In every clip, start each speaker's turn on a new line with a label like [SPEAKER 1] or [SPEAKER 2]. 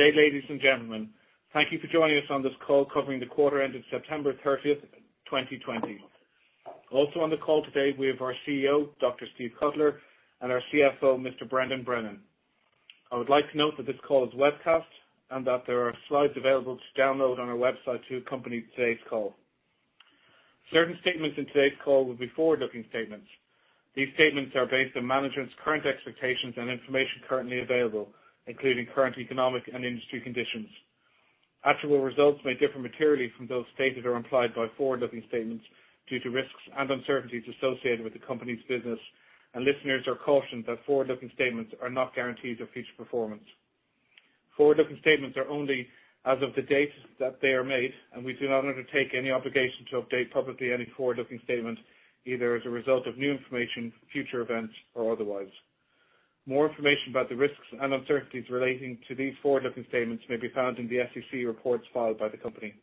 [SPEAKER 1] Good day, ladies and gentlemen. Thank you for joining us on this call covering the quarter ending September 30th, 2020. Also on the call today, we have our CEO, Dr. Steve Cutler, and our CFO, Mr. Brendan Brennan. I would like to note that this call is webcast and that there are slides available to download on our website to accompany today's call. Certain statements in today's call will be forward-looking statements. These statements are based on management's current expectations and information currently available, including current economic and industry conditions. Actual results may differ materially from those stated or implied by forward-looking statements due to risks and uncertainties associated with the company's business. Listeners are cautioned that forward-looking statements are not guarantees of future performance. Forward-looking statements are only as of the date that they are made, and we do not undertake any obligation to update publicly any forward-looking statement, either as a result of new information, future events, or otherwise. More information about the risks and uncertainties relating to these forward-looking statements may be found in the SEC reports filed by the company.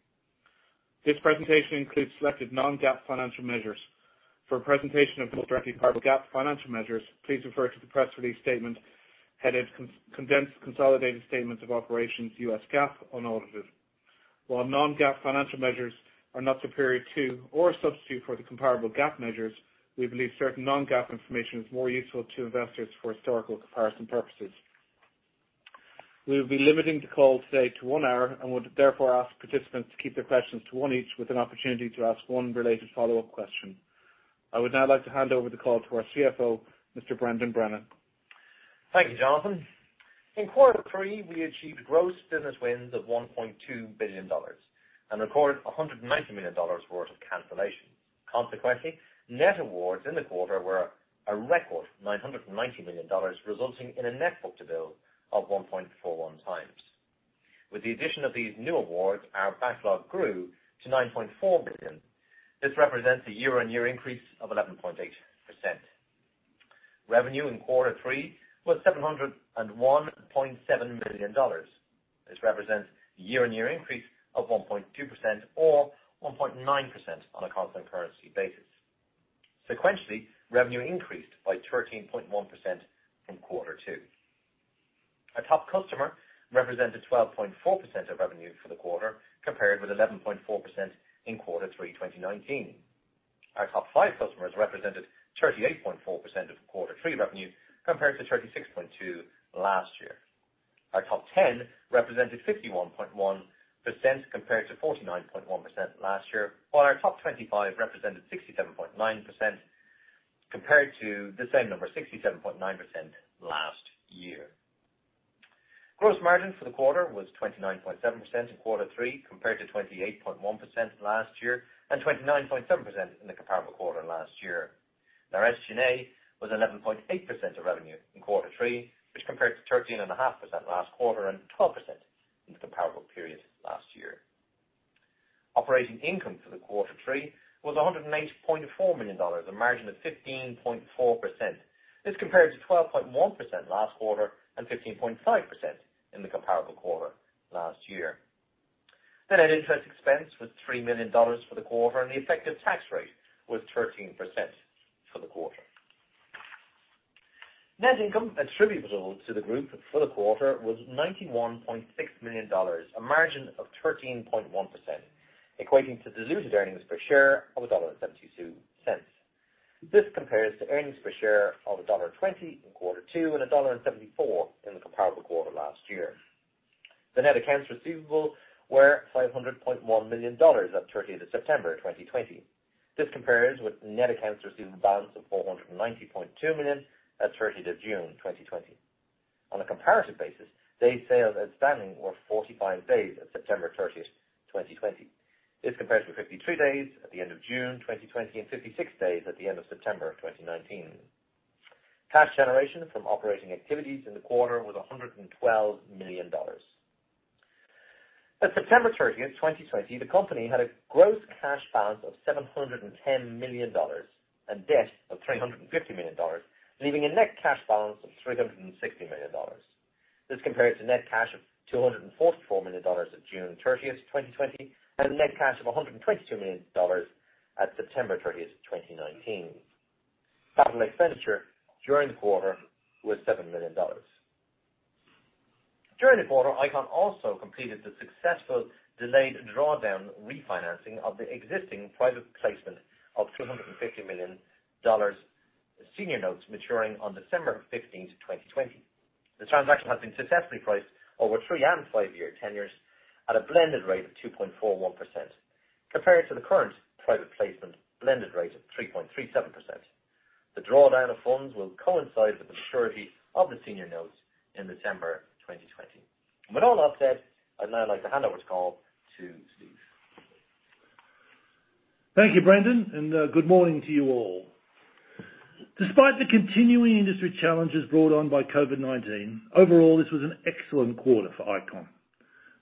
[SPEAKER 1] This presentation includes selected non-GAAP financial measures. For a presentation of those directly comparable GAAP financial measures, please refer to the press release statement headed Condensed Consolidated Statements of Operations, U.S. GAAP Unaudited. While non-GAAP financial measures are not superior to or a substitute for the comparable GAAP measures, we believe certain non-GAAP information is more useful to investors for historical comparison purposes. We will be limiting the call today to one hour and would therefore ask participants to keep their questions to one each with an opportunity to ask one related follow-up question. I would now like to hand over the call to our CFO, Mr. Brendan Brennan.
[SPEAKER 2] Thank you, Jonathan. In quarter three, we achieved gross business wins of $1.2 billion and recorded $190 million worth of cancellation. Consequently, net awards in the quarter were a record $990 million, resulting in a net book-to-bill of 1.41 times. With the addition of these new awards, our backlog grew to $9.4 billion. This represents a year-on-year increase of 11.8%. Revenue in quarter three was $701.7 million. This represents a year-on-year increase of 1.2% or 1.9% on a constant currency basis. Sequentially, revenue increased by 13.1% from quarter two. Our top customer represented 12.4% of revenue for the quarter, compared with 11.4% in quarter three 2019. Our top five customers represented 38.4% of quarter three revenue, compared to 36.2% last year. Our top 10 represented 51.1% compared to 49.1% last year. While our top 25 represented 67.9% compared to the same number, 67.9%, last year. Gross margin for the quarter was 29.7% in quarter three compared to 28.1% last year and 29.7% in the comparable quarter last year. Our SG&A was 11.8% of revenue in quarter three, which compared to 13.5% last quarter and 12% in the comparable period last year. Operating income for the quarter three was $108.4 million, a margin of 15.4%. This compared to 12.1% last quarter and 15.5% in the comparable quarter last year. Net interest expense was $3 million for the quarter, and the effective tax rate was 13% for the quarter. Net income attributable to the group for the quarter was $91.6 million, a margin of 13.1%, equating to diluted earnings per share of $1.72. This compares to earnings per share of $1.20 in quarter two and $1.74 in the comparable quarter last year. The net accounts receivable were $500.1 million at 30th September 2020. This compares with net accounts receivable balance of $490.2 million at 30th June 2020. On a comparative basis, days sales outstanding were 45 days at September 30th, 2020. This compares with 52 days at the end of June 2020 and 56 days at the end of September 2019. Cash generation from operating activities in the quarter was $112 million. At September 30th, 2020, the company had a gross cash balance of $710 million and debt of $350 million, leaving a net cash balance of $360 million. This compares to net cash of $244 million at June 30th, 2020, and net cash of $122 million at September 30th, 2019. Capital expenditure during the quarter was $7 million. During the quarter, ICON also completed the successful delayed drawdown refinancing of the existing private placement of $250 million senior notes maturing on December 15th, 2020. The transaction has been successfully priced over three and five-year tenures at a blended rate of 2.41%, compared to the current private placement blended rate of 3.37%. The drawdown of funds will coincide with the maturity of the senior notes in December 2020. With all that said, I'd now like to hand over this call to Steve.
[SPEAKER 3] Thank you, Brendan, and good morning to you all. Despite the continuing industry challenges brought on by COVID-19, overall, this was an excellent quarter for ICON.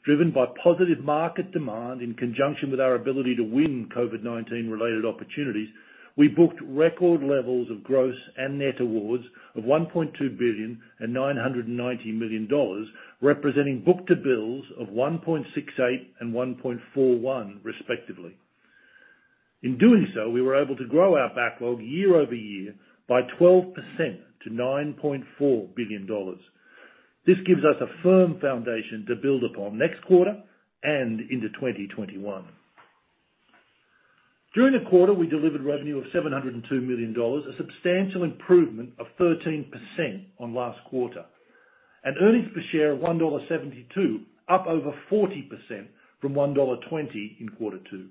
[SPEAKER 3] Driven by positive market demand in conjunction with our ability to win COVID-19 related opportunities, we booked record levels of gross and net awards of $1.2 billion and $990 million, representing book-to-bills of 1.68 and 1.41 respectively. In doing so, we were able to grow our backlog year-over-year by 12% to $9.4 billion. This gives us a firm foundation to build upon next quarter and into 2021. During the quarter, we delivered revenue of $702 million, a substantial improvement of 13% on last quarter, and EPS of $1.72, up over 40% from $1.20 in quarter two.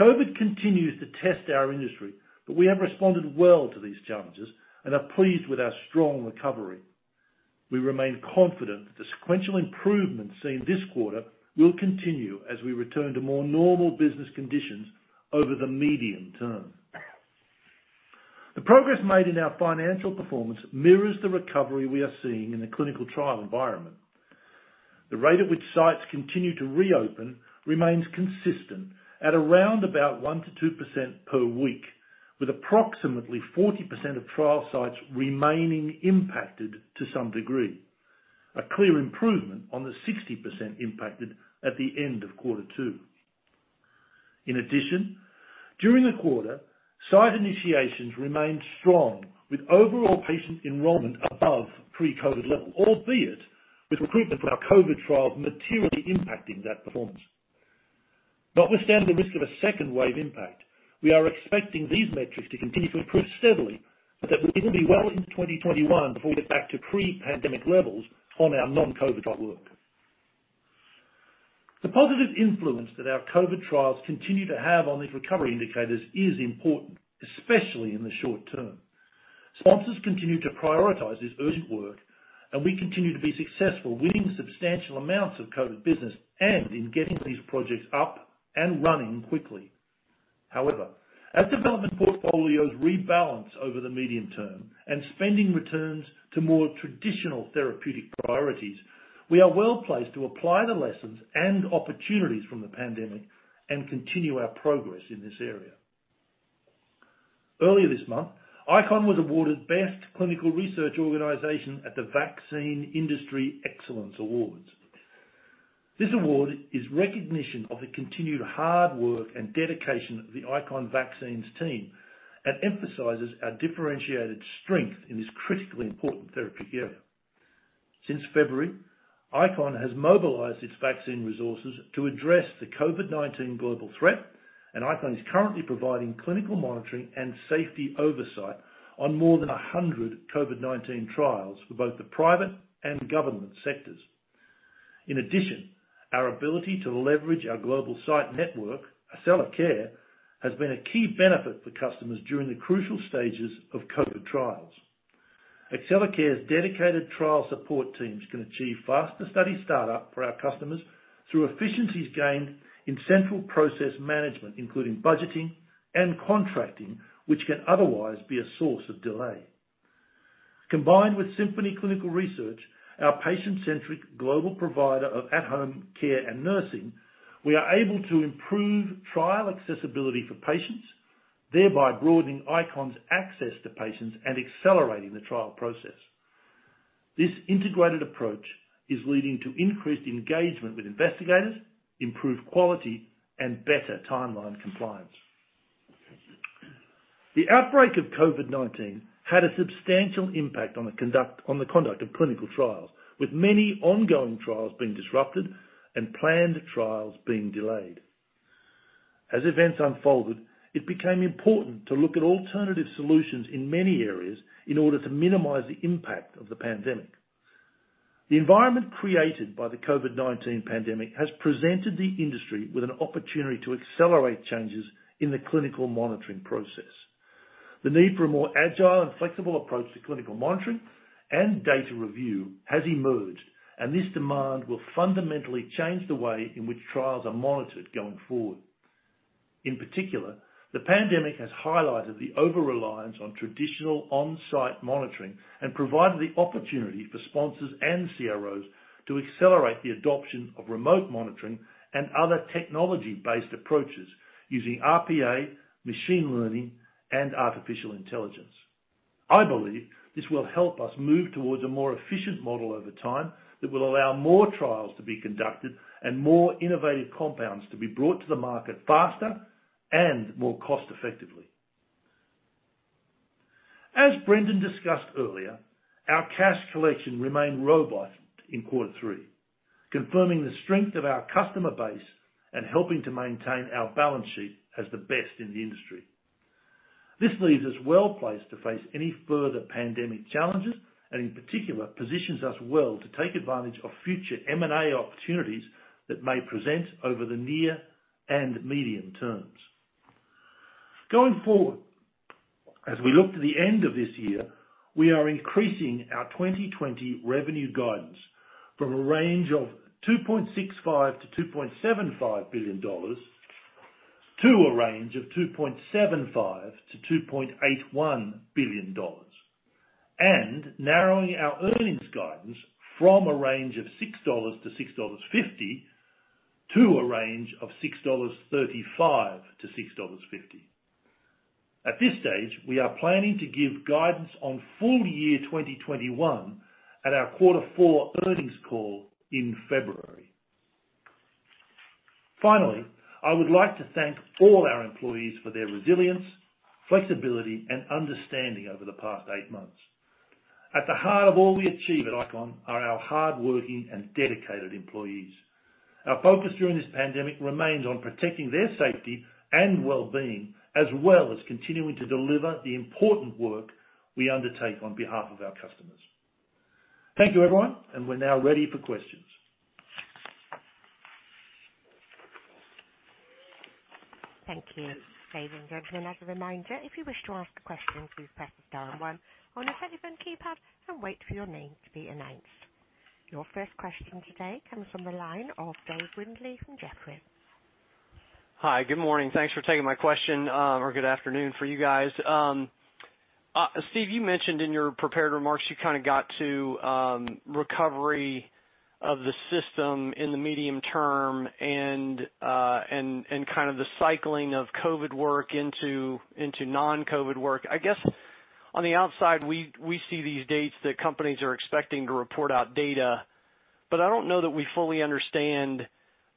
[SPEAKER 3] COVID continues to test our industry, but we have responded well to these challenges and are pleased with our strong recovery. We remain confident that the sequential improvements seen this quarter will continue as we return to more normal business conditions over the medium term. The progress made in our financial performance mirrors the recovery we are seeing in the clinical trial environment. The rate at which sites continue to reopen remains consistent at around about 1%-2% per week, with approximately 40% of trial sites remaining impacted to some degree, a clear improvement on the 60% impacted at the end of quarter two. In addition, during the quarter, site initiations remained strong with overall patient enrollment above pre-COVID levels, albeit with recruitment for our COVID trials materially impacting that performance. Notwithstanding the risk of a second wave impact, we are expecting these metrics to continue to improve steadily, but that it will be well into 2021 before we get back to pre-pandemic levels on our non-COVID trial work. The positive influence that our COVID trials continue to have on these recovery indicators is important, especially in the short term. Sponsors continue to prioritize this urgent work, and we continue to be successful, winning substantial amounts of COVID business and in getting these projects up and running quickly. However, as development portfolios rebalance over the medium term and spending returns to more traditional therapeutic priorities, we are well-placed to apply the lessons and opportunities from the pandemic and continue our progress in this area. Earlier this month, ICON was awarded Best Clinical Research Organization at the Vaccine Industry Excellence Awards. This award is recognition of the continued hard work and dedication of the ICON Vaccines team and emphasizes our differentiated strength in this critically important therapy area. Since February, ICON has mobilized its vaccine resources to address the COVID-19 global threat, and ICON is currently providing clinical monitoring and safety oversight on more than 100 COVID-19 trials for both the private and government sectors. In addition, our ability to leverage our global site network, Accellacare, has been a key benefit for customers during the crucial stages of COVID-19 trials. Accellacare's dedicated trial support teams can achieve faster study startup for our customers through efficiencies gained in central process management, including budgeting and contracting, which can otherwise be a source of delay. Combined with Symphony Clinical Research, our patient-centric global provider of at-home care and nursing, we are able to improve trial accessibility for patients, thereby broadening ICON's access to patients and accelerating the trial process. This integrated approach is leading to increased engagement with investigators, improved quality, and better timeline compliance. The outbreak of COVID-19 had a substantial impact on the conduct of clinical trials, with many ongoing trials being disrupted and planned trials being delayed. As events unfolded, it became important to look at alternative solutions in many areas in order to minimize the impact of the pandemic. The environment created by the COVID-19 pandemic has presented the industry with an opportunity to accelerate changes in the clinical monitoring process. The need for a more agile and flexible approach to clinical monitoring and data review has emerged, and this demand will fundamentally change the way in which trials are monitored going forward. In particular, the pandemic has highlighted the overreliance on traditional on-site monitoring and provided the opportunity for sponsors and CROs to accelerate the adoption of remote monitoring and other technology-based approaches using RPA, machine learning, and artificial intelligence. I believe this will help us move towards a more efficient model over time that will allow more trials to be conducted and more innovative compounds to be brought to the market faster and more cost-effectively. As Brendan discussed earlier, our cash collection remained robust in quarter three, confirming the strength of our customer base and helping to maintain our balance sheet as the best in the industry. This leaves us well-placed to face any further pandemic challenges and, in particular, positions us well to take advantage of future M&A opportunities that may present over the near and medium terms. Going forward, as we look to the end of this year, we are increasing our 2020 revenue guidance from a range of $2.65 billion-$2.75 billion to a range of $2.75 billion-$2.81 billion, and narrowing our earnings guidance from a range of $6-$6.50 to a range of $6.35-$6.50. At this stage, we are planning to give guidance on full year 2021 at our Quarter Four earnings call in February. Finally, I would like to thank all our employees for their resilience, flexibility, and understanding over the past eight months. At the heart of all we achieve at ICON are our hardworking and dedicated employees. Our focus during this pandemic remains on protecting their safety and wellbeing, as well as continuing to deliver the important work we undertake on behalf of our customers. Thank you, everyone, and we're now ready for questions.
[SPEAKER 4] Thank you. Ladies and gentlemen, as a reminder, if you wish to ask a question, please press star one on your telephone keypad and wait for your name to be announced. Your first question today comes from the line of Dave Windley from Jefferies.
[SPEAKER 5] Hi. Good morning. Thanks for taking my question. Good afternoon for you guys. Steve, you mentioned in your prepared remarks, you kind of got to recovery of the system in the medium term and, kind of the cycling of COVID work into non-COVID work. I guess, on the outside, we see these dates that companies are expecting to report out data, but I don't know that we fully understand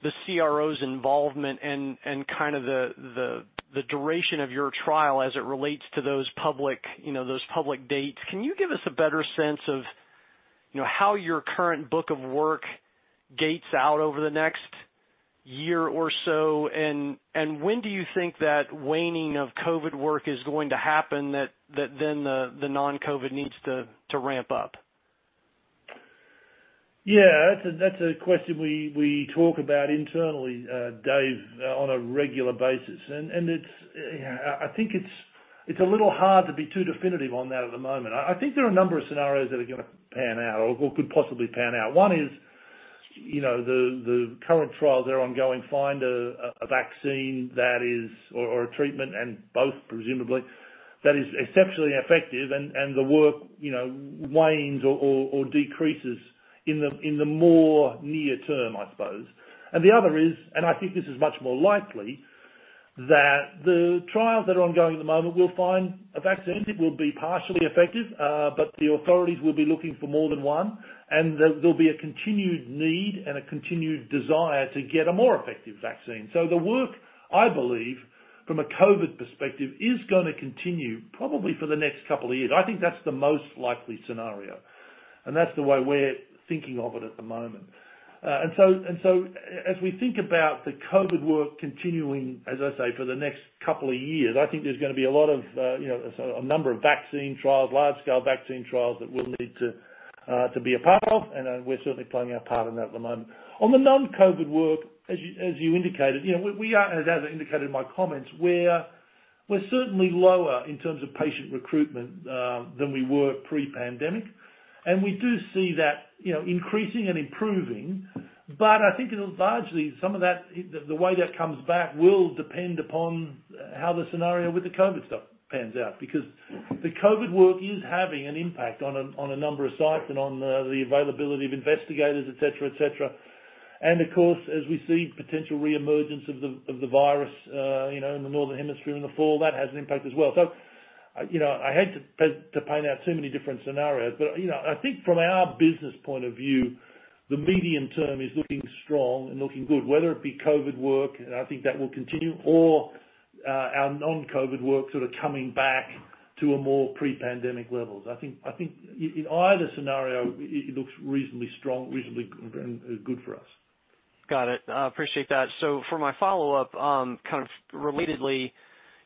[SPEAKER 5] the CRO's involvement and kind of the duration of your trial as it relates to those public dates. Can you give us a better sense of how your current book of work dates out over the next year or so? When do you think that waning of COVID work is going to happen, that then the non-COVID needs to ramp up?
[SPEAKER 3] Yeah. That's a question we talk about internally, Dave, on a regular basis. I think it's a little hard to be too definitive on that at the moment. I think there are a number of scenarios that are gonna pan out or could possibly pan out. One is, the current trial that are ongoing, find a vaccine that is, or a treatment and both presumably, that is exceptionally effective and the work wanes or decreases in the more near term, I suppose. The other is, and I think this is much more likely, that the trials that are ongoing at the moment will find a vaccine. It will be partially effective, but the authorities will be looking for more than one, and there'll be a continued need and a continued desire to get a more effective vaccine. The work, I believe, from a COVID perspective, is going to continue probably for the next couple of years. I think that's the most likely scenario, and that's the way we're thinking of it at the moment. As we think about the COVID work continuing, as I say, for the next couple of years, I think there's going to be a number of vaccine trials, large-scale vaccine trials that we will need to be a part of, and we're certainly playing our part in that at the moment. On the non-COVID work, as you indicated, as I indicated in my comments, we're certainly lower in terms of patient recruitment, than we were pre-pandemic. We do see that increasing and improving. I think it will largely, the way that comes back will depend upon how the scenario with the COVID stuff pans out. The COVID work is having an impact on a number of sites and on the availability of investigators, et cetera. Of course, as we see potential reemergence of the virus in the northern hemisphere in the fall, that has an impact as well. I hate to paint out too many different scenarios, but I think from our business point of view, the medium term is looking strong and looking good, whether it be COVID work, and I think that will continue, or our non-COVID work sort of coming back to a more pre-pandemic levels. I think in either scenario, it looks reasonably strong, reasonably good for us.
[SPEAKER 5] Got it. I appreciate that. For my follow-up, kind of relatedly,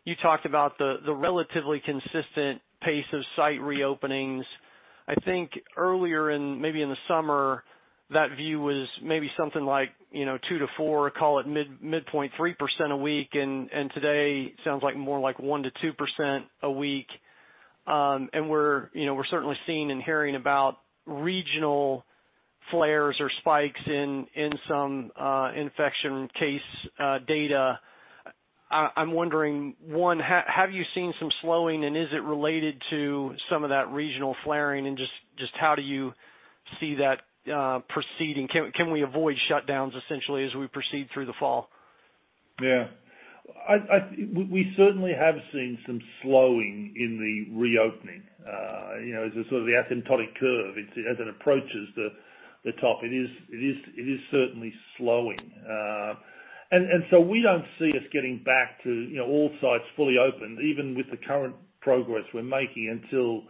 [SPEAKER 5] you talked about the relatively consistent pace of site reopenings. I think earlier in, maybe in the summer, that view was maybe something like 2%-4%, call it midpoint 3% a week. Today sounds like more like 1%-2% a week. We're certainly seeing and hearing about regional flares or spikes in some infection case data. I'm wondering, one, have you seen some slowing, and is it related to some of that regional flaring? Just how do you see that proceeding? Can we avoid shutdowns essentially as we proceed through the fall?
[SPEAKER 3] We certainly have seen some slowing in the reopening. As a sort of the asymptotic curve, as it approaches the top it is certainly slowing. We don't see us getting back to all sites fully open, even with the current progress we're making until,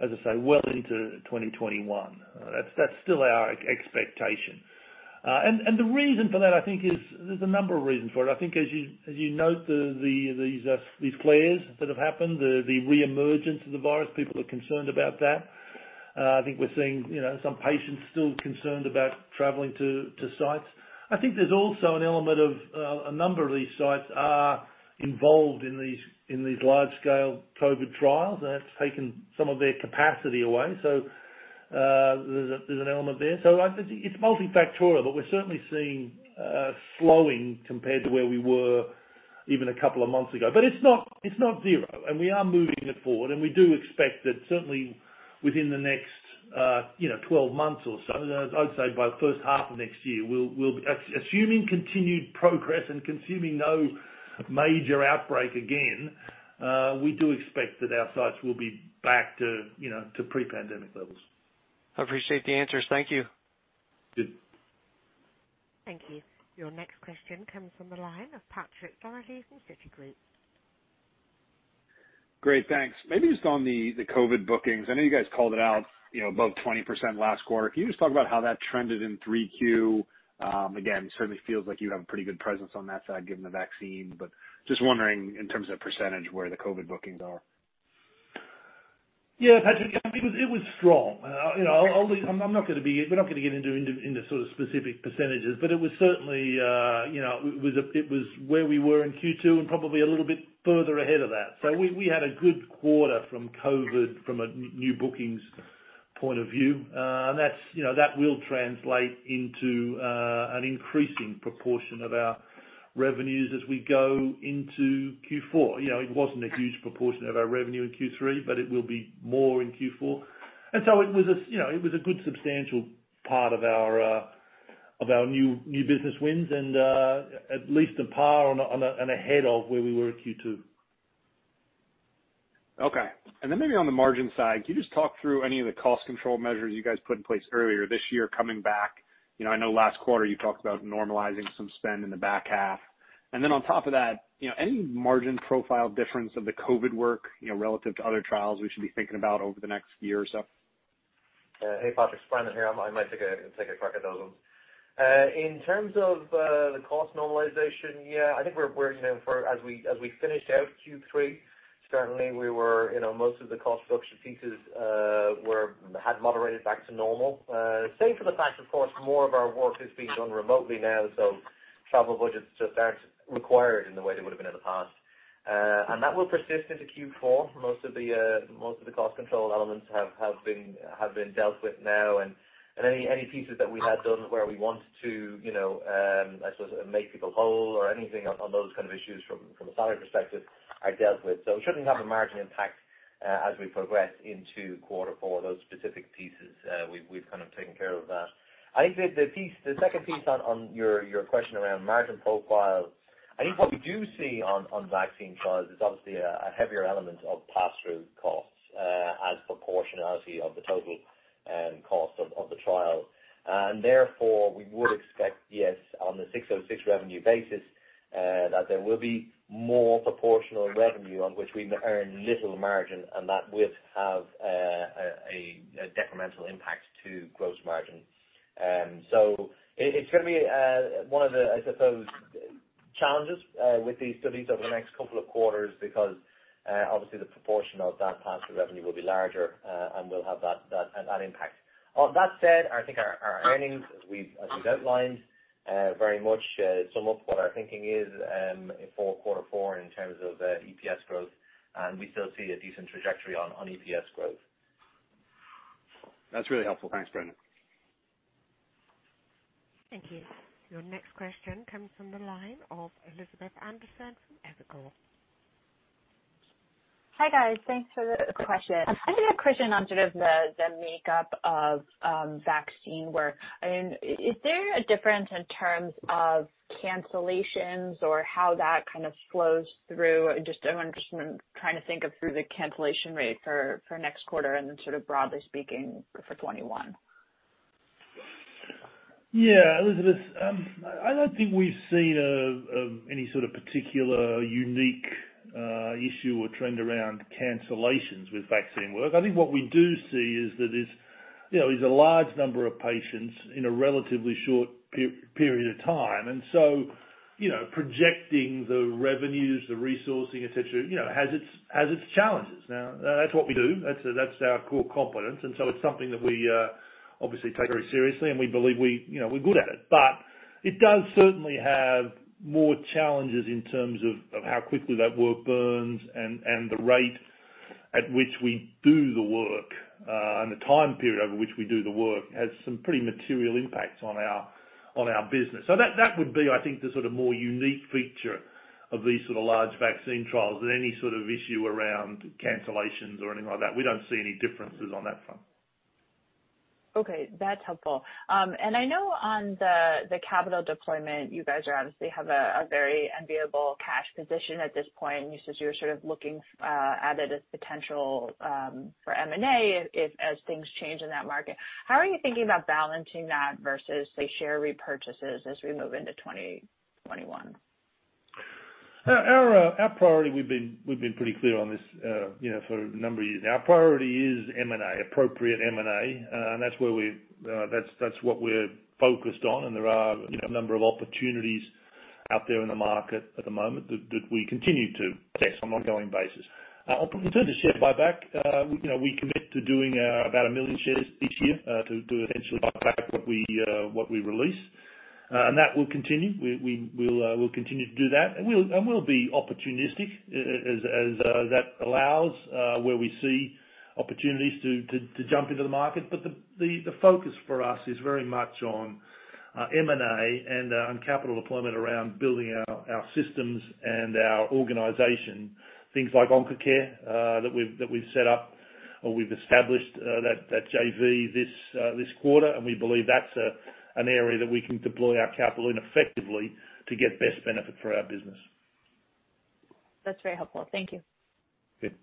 [SPEAKER 3] as I say, well into 2021. That's still our expectation. The reason for that, I think is, there's a number of reasons for it. I think as you note these flares that have happened, the reemergence of the virus, people are concerned about that. I think we're seeing some patients still concerned about traveling to sites. I think there's also an element of a number of these sites are involved in these large-scale COVID trials, and that's taken some of their capacity away. There's an element there. I think it's multifactorial, but we're certainly seeing a slowing compared to where we were even a couple of months ago. It's not zero, and we are moving it forward, and we do expect that certainly within the next 12 months or so. I'd say by the first half of next year. Assuming continued progress and assuming no major outbreak again, we do expect that our sites will be back to pre-pandemic levels.
[SPEAKER 5] I appreciate the answers. Thank you.
[SPEAKER 3] Good.
[SPEAKER 4] Thank you. Your next question comes from the line of Patrick Donnelly from Citigroup.
[SPEAKER 6] Great, thanks. Maybe just on the COVID bookings. I know you guys called it out above 20% last quarter. Can you just talk about how that trended in Q3? Again, it certainly feels like you have a pretty good presence on that side, given the vaccine. Just wondering, in terms of percentage, where the COVID bookings are.
[SPEAKER 3] Yeah, Patrick, it was strong. We're not going to get into specific percentages, but it was certainly where we were in Q2 and probably a little bit further ahead of that. We had a good quarter from COVID, from a new bookings point of view. That will translate into an increasing proportion of our revenues as we go into Q4. It wasn't a huge proportion of our revenue in Q3, but it will be more in Q4. It was a good substantial part of our new business wins and at least on par and ahead of where we were at Q2.
[SPEAKER 6] Okay. Maybe on the margin side, can you just talk through any of the cost control measures you guys put in place earlier this year coming back? I know last quarter you talked about normalizing some spend in the back half. On top of that, any margin profile difference of the COVID work, relative to other trials we should be thinking about over the next year or so?
[SPEAKER 2] Hey, Patrick, Brendan here. I might take a crack at those ones. In terms of the cost normalization, yeah, I think as we finished out Q3, certainly most of the cost structure pieces had moderated back to normal. Save for the fact, of course, more of our work is being done remotely now, travel budgets just aren't required in the way they would have been in the past. That will persist into Q4. Most of the cost control elements have been dealt with now and any pieces that we had done where we wanted to, I suppose, make people whole or anything on those kind of issues from a salary perspective are dealt with. It shouldn't have a margin impact as we progress into quarter four. Those specific pieces, we've taken care of that. I think the second piece on your question around margin profile, I think what we do see on vaccine trials is obviously a heavier element of pass-through costs as proportionality of the total cost of the trial. Therefore, we would expect, yes, on the ASC 606 revenue basis, that there will be more proportional revenue on which we earn little margin, and that would have a detrimental impact to gross margin. It's going to be one of the, I suppose, challenges with these studies over the next couple of quarters because obviously the proportion of that pass-through revenue will be larger, and we'll have that impact. That said, I think our earnings, as we've outlined, very much sum up what our thinking is for quarter four in terms of EPS growth, and we still see a decent trajectory on EPS growth.
[SPEAKER 6] That's really helpful. Thanks, Brendan.
[SPEAKER 4] Thank you. Your next question comes from the line of Elizabeth Anderson from Evercore.
[SPEAKER 7] Hi, guys. Thanks for the question. I have a question on sort of the makeup of vaccine work. Is there a difference in terms of cancellations or how that kind of flows through? I'm just trying to think of through the cancellation rate for next quarter and then sort of broadly speaking for 2021.
[SPEAKER 3] Yeah, Elizabeth. I don't think we've seen any sort of particular unique issue or trend around cancellations with vaccine work. I think what we do see is that there's a large number of patients in a relatively short period of time. Projecting the revenues, the resourcing, et cetera, has its challenges. Now, that's what we do. That's our core competence, it's something that we obviously take very seriously, and we believe we're good at it. It does certainly have more challenges in terms of how quickly that work burns and the rate at which we do the work. The time period over which we do the work has some pretty material impacts on our business. That would be, I think, the sort of more unique feature of these sort of large vaccine trials than any sort of issue around cancellations or anything like that. We don't see any differences on that front.
[SPEAKER 7] Okay. That's helpful. I know on the capital deployment, you guys obviously have a very enviable cash position at this point, and you said you were sort of looking at it as potential for M&A as things change in that market. How are you thinking about balancing that versus, say, share repurchases as we move into 2021?
[SPEAKER 3] Our priority, we've been pretty clear on this for a number of years now. Our priority is M&A, appropriate M&A, and that's what we're focused on, and there are a number of opportunities out there in the market at the moment that we continue to test on an ongoing basis. In terms of share buyback, we commit to doing about 1 million shares each year to essentially buy back what we release. That will continue. We'll continue to do that. We'll be opportunistic as that allows, where we see opportunities to jump into the market. The focus for us is very much on M&A and on capital deployment around building our systems and our organization. Things like Oncacare that we've established that JV this quarter, and we believe that's an area that we can deploy our capital in effectively to get the best benefit for our business.
[SPEAKER 7] That's very helpful. Thank you.
[SPEAKER 3] Good.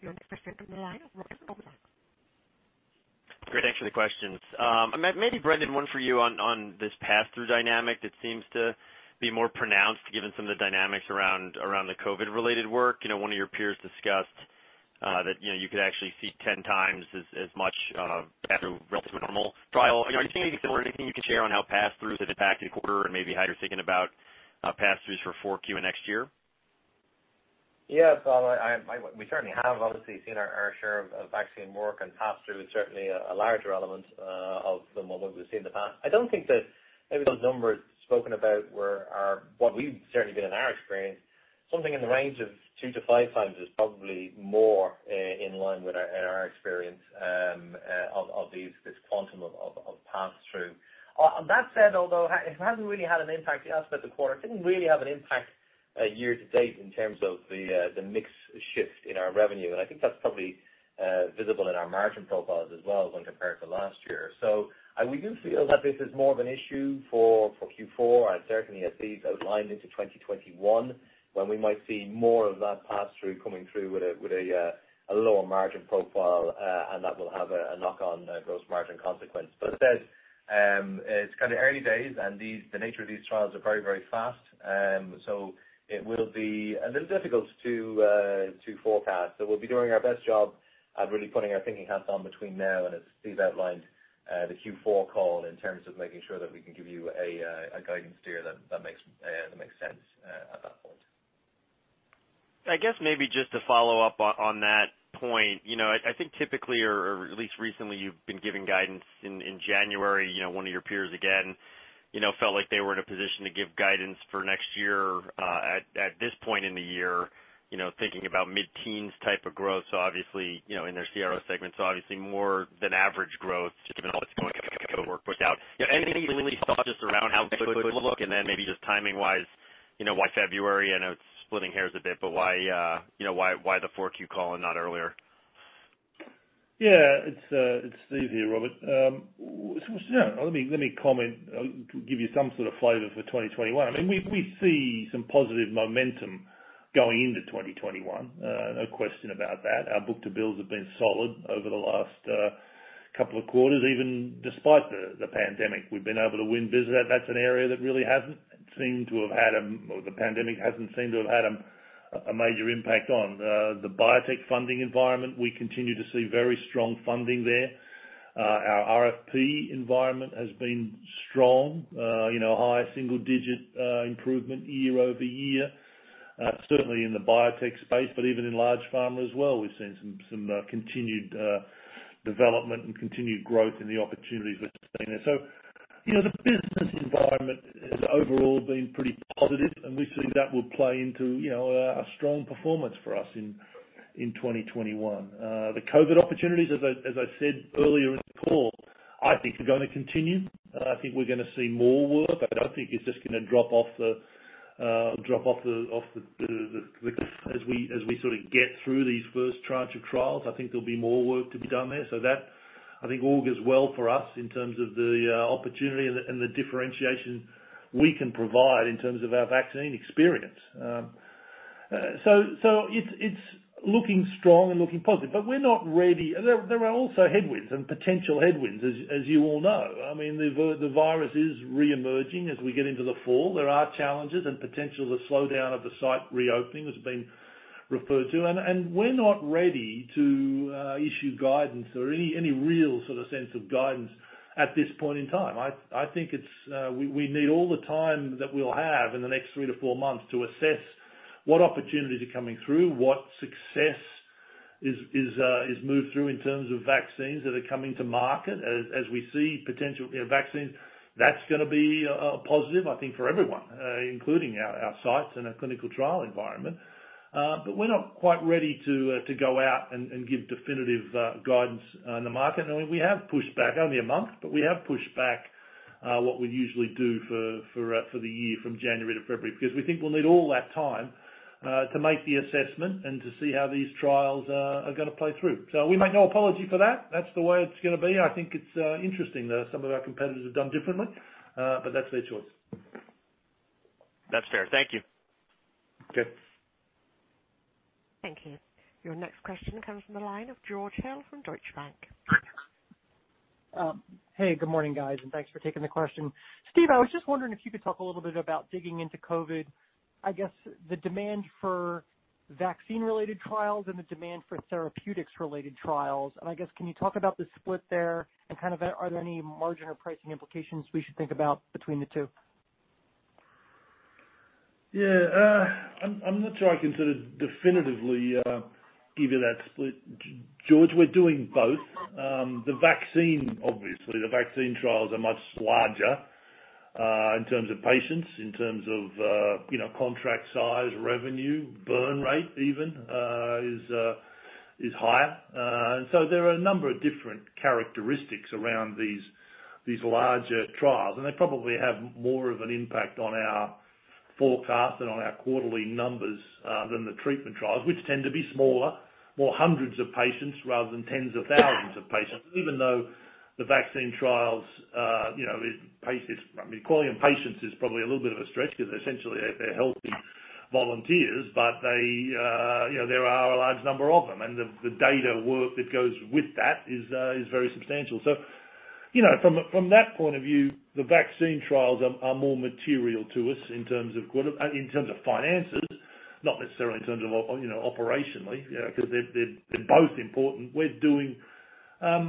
[SPEAKER 4] Your next question comes from the line, Robert Jones from Goldman Sachs.
[SPEAKER 8] Great. Thanks for the questions. Maybe Brendan, one for you on this pass-through dynamic that seems to be more pronounced given some of the dynamics around the COVID-related work. One of your peers discussed that you could actually see 10 times as much of pass-through relative to a normal trial. Are you seeing anything similar? Anything you can share on how pass-throughs have impacted the quarter and maybe how you're thinking about pass-throughs for 4Q next year?
[SPEAKER 2] Yes. We certainly have obviously seen our share of vaccine work, and pass-through is certainly a larger element of the moment we've seen in the past. I don't think that maybe those numbers spoken about are what we've certainly been in our experience. Something in the range of two to five times is probably more in line with our experience of this quantum of pass-through. That said, although it hasn't really had an impact, the [aspect of the quarter] didn't really have an impact year to date in terms of the mix shift in our revenue. I think that's probably visible in our margin profiles as well when compared to last year. We do feel that this is more of an issue for Q4 and certainly as Steve's outlined into 2021, when we might see more of that pass-through coming through with a lower margin profile, and that will have a knock on gross margin consequence. It's early days, and the nature of these trials are very, very fast. It will be a little difficult to forecast. We'll be doing our best job at really putting our thinking hats on between now and, as Steve outlined, the Q4 call in terms of making sure that we can give you a guidance steer that makes sense at that point.
[SPEAKER 8] I guess maybe just to follow up on that point. I think typically, or at least recently, you've been giving guidance in January. One of your peers, again, felt like they were in a position to give guidance for next year at this point in the year, thinking about mid-teens type of growth. Obviously, in their CRO segment, so obviously more than average growth given all that's going on with COVID-19 work pushed out. Any early thoughts just around how quickly it would look and then maybe just timing-wise, why February? I know it's splitting hairs a bit, but why the 4Q call and not earlier?
[SPEAKER 3] Yeah, it's Steve here, Robert. Let me comment, give you some sort of flavor for 2021. No question about that. Our book-to-bills have been solid over the last couple of quarters. Even despite the pandemic, we've been able to win business. That's an area that the pandemic hasn't seemed to have had a major impact on. The biotech funding environment, we continue to see very strong funding there. Our RFP environment has been strong. High single-digit improvement year-over-year, certainly in the biotech space, even in large pharma as well. We've seen some continued development and continued growth in the opportunities that we've seen there. The business environment has overall been pretty positive, and we see that will play into a strong performance for us in 2021. The COVID opportunities, as I said earlier in the call, I think are going to continue. I think we're going to see more work. I don't think it's just going to drop off the cliff as we sort of get through these first tranche of trials. I think there'll be more work to be done there. That, I think, augurs well for us in terms of the opportunity and the differentiation we can provide in terms of our vaccine experience. It's looking strong and looking positive. We're not ready. There are also headwinds and potential headwinds, as you all know. The virus is reemerging as we get into the fall. There are challenges and potential, the slowdown of the site reopening has been referred to. We're not ready to issue guidance or any real sort of sense of guidance at this point in time. I think we need all the time that we'll have in the next three to four months to assess what opportunities are coming through, what success is moved through in terms of vaccines that are coming to market. As we see potential vaccines, that's going to be a positive, I think, for everyone, including our sites and our clinical trial environment. We're not quite ready to go out and give definitive guidance on the market. We have pushed back only one month, but we have pushed back what we usually do for the year from January to February, because we think we'll need all that time to make the assessment and to see how these trials are going to play through. We make no apology for that. That's the way it's going to be. I think it's interesting that some of our competitors have done differently. That's their choice.
[SPEAKER 8] That's fair. Thank you.
[SPEAKER 3] Okay.
[SPEAKER 4] Thank you. Your next question comes from the line of George Hill from Deutsche Bank.
[SPEAKER 9] Hey, good morning, guys, and thanks for taking the question. Steve, I was just wondering if you could talk a little bit about digging into COVID-19, I guess the demand for vaccine-related trials and the demand for therapeutics-related trials. I guess, can you talk about the split there, and are there any margin or pricing implications we should think about between the two?
[SPEAKER 3] Yeah. I'm not sure I can sort of definitively give you that split, George. We're doing both. Obviously, the vaccine trials are much larger in terms of patients, in terms of contract size, revenue, burn rate even is higher. There are a number of different characteristics around these larger trials, and they probably have more of an impact on our forecast and on our quarterly numbers, than the treatment trials, which tend to be smaller, more hundreds of patients rather than tens of thousands of patients, even though the vaccine trials, calling them patients is probably a little bit of a stretch because essentially they're healthy volunteers. There are a large number of them, and the data work that goes with that is very substantial. From that point of view, the vaccine trials are more material to us in terms of finances, not necessarily in terms of operationally, because they're both important. I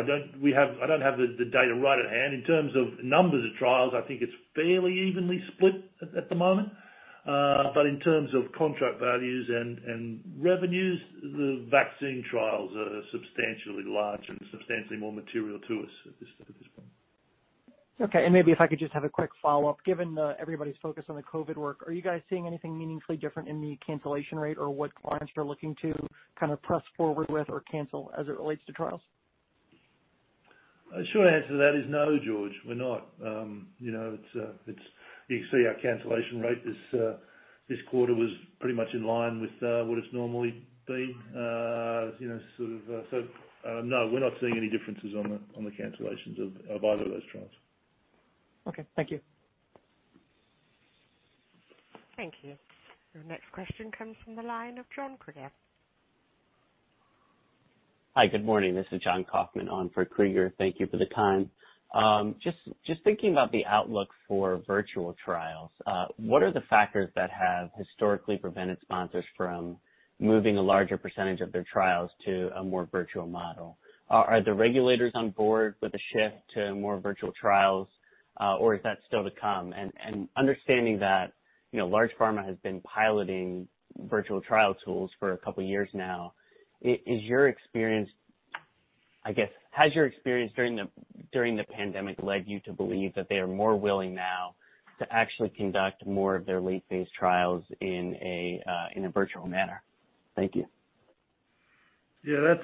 [SPEAKER 3] don't have the data right at hand. In terms of numbers of trials, I think it's fairly evenly split at the moment. But in terms of contract values and revenues, the vaccine trials are substantially large and substantially more material to us at this point.
[SPEAKER 9] Okay. Maybe if I could just have a quick follow-up. Given everybody's focus on the COVID work, are you guys seeing anything meaningfully different in the cancellation rate or what clients are looking to kind of press forward with or cancel as it relates to trials?
[SPEAKER 3] The short answer to that is no, George, we're not. You can see our cancellation rate this quarter was pretty much in line with what it's normally been. No, we're not seeing any differences on the cancellations of either of those trials.
[SPEAKER 9] Okay. Thank you.
[SPEAKER 4] Thank you. Your next question comes from the line of John Kreger.
[SPEAKER 10] Hi. Good morning. This is Jon Kaufman on for Kreger. Thank you for the time. Just thinking about the outlook for virtual trials, what are the factors that have historically prevented sponsors from moving a larger percentage of their trials to a more virtual model? Are the regulators on board with a shift to more virtual trials, or is that still to come? Understanding that large pharma has been piloting virtual trial tools for a couple of years now, I guess, has your experience during the pandemic led you to believe that they are more willing now to actually conduct more of their late-phase trials in a virtual manner? Thank you.
[SPEAKER 3] Yeah,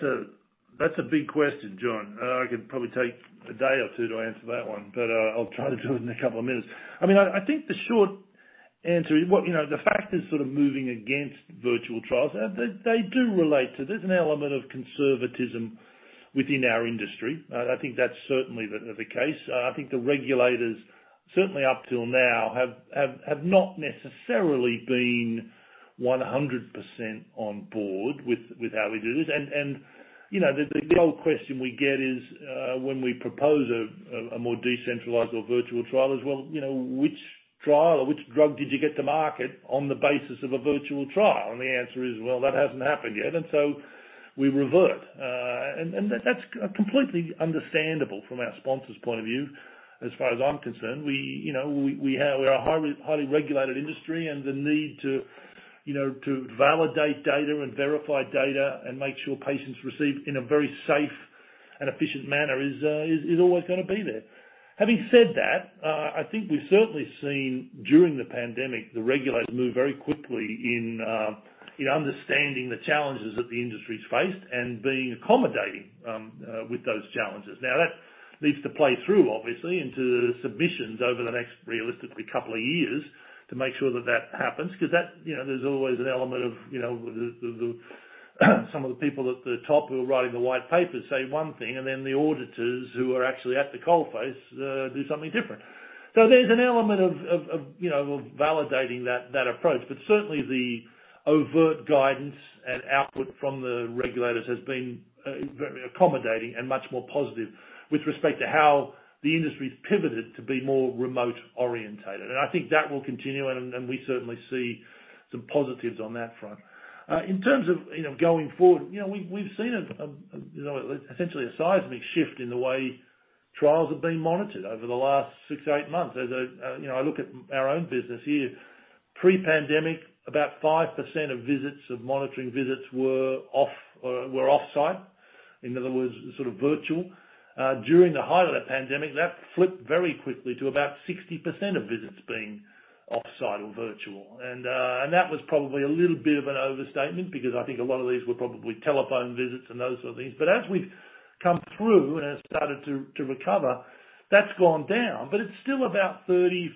[SPEAKER 3] that's a big question, John. I could probably take a day or two to answer that one, but I'll try to do it in a couple of minutes. I think the short answer is, the factors sort of moving against virtual trials, they do relate to. There's an element of conservatism within our industry. I think that's certainly the case. I think the regulators, certainly up till now, have not necessarily been 100% on board with how we do this. The old question we get is, when we propose a more decentralized or virtual trial is, "Well, which trial or which drug did you get to market on the basis of a virtual trial?" The answer is, well, that hasn't happened yet. We revert. That's completely understandable from our sponsor's point of view, as far as I'm concerned. We're a highly regulated industry, and the need to validate data and verify data and make sure patients receive in a very safe and efficient manner is always going to be there. Having said that, I think we've certainly seen during the pandemic, the regulators move very quickly in understanding the challenges that the industry's faced and being accommodating with those challenges. Now, that needs to play through, obviously, into the submissions over the next, realistically, couple of years to make sure that that happens. There's always an element of some of the people at the top who are writing the white papers say one thing, and then the auditors who are actually at the coalface do something different. There's an element of validating that approach. Certainly, the overt guidance and output from the regulators has been very accommodating and much more positive with respect to how the industry's pivoted to be more remote-oriented. I think that will continue, and we certainly see some positives on that front. In terms of going forward, we've seen essentially a seismic shift in the way trials have been monitored over the last six to eight months. As I look at our own business here, pre-pandemic, about 5% of visits, of monitoring visits were offsite. In other words, sort of virtual. During the height of the pandemic, that flipped very quickly to about 60% of visits being offsite or virtual. That was probably a little bit of an overstatement because I think a lot of these were probably telephone visits and those sort of things. As we've come through and have started to recover, that's gone down, but it's still about 30%.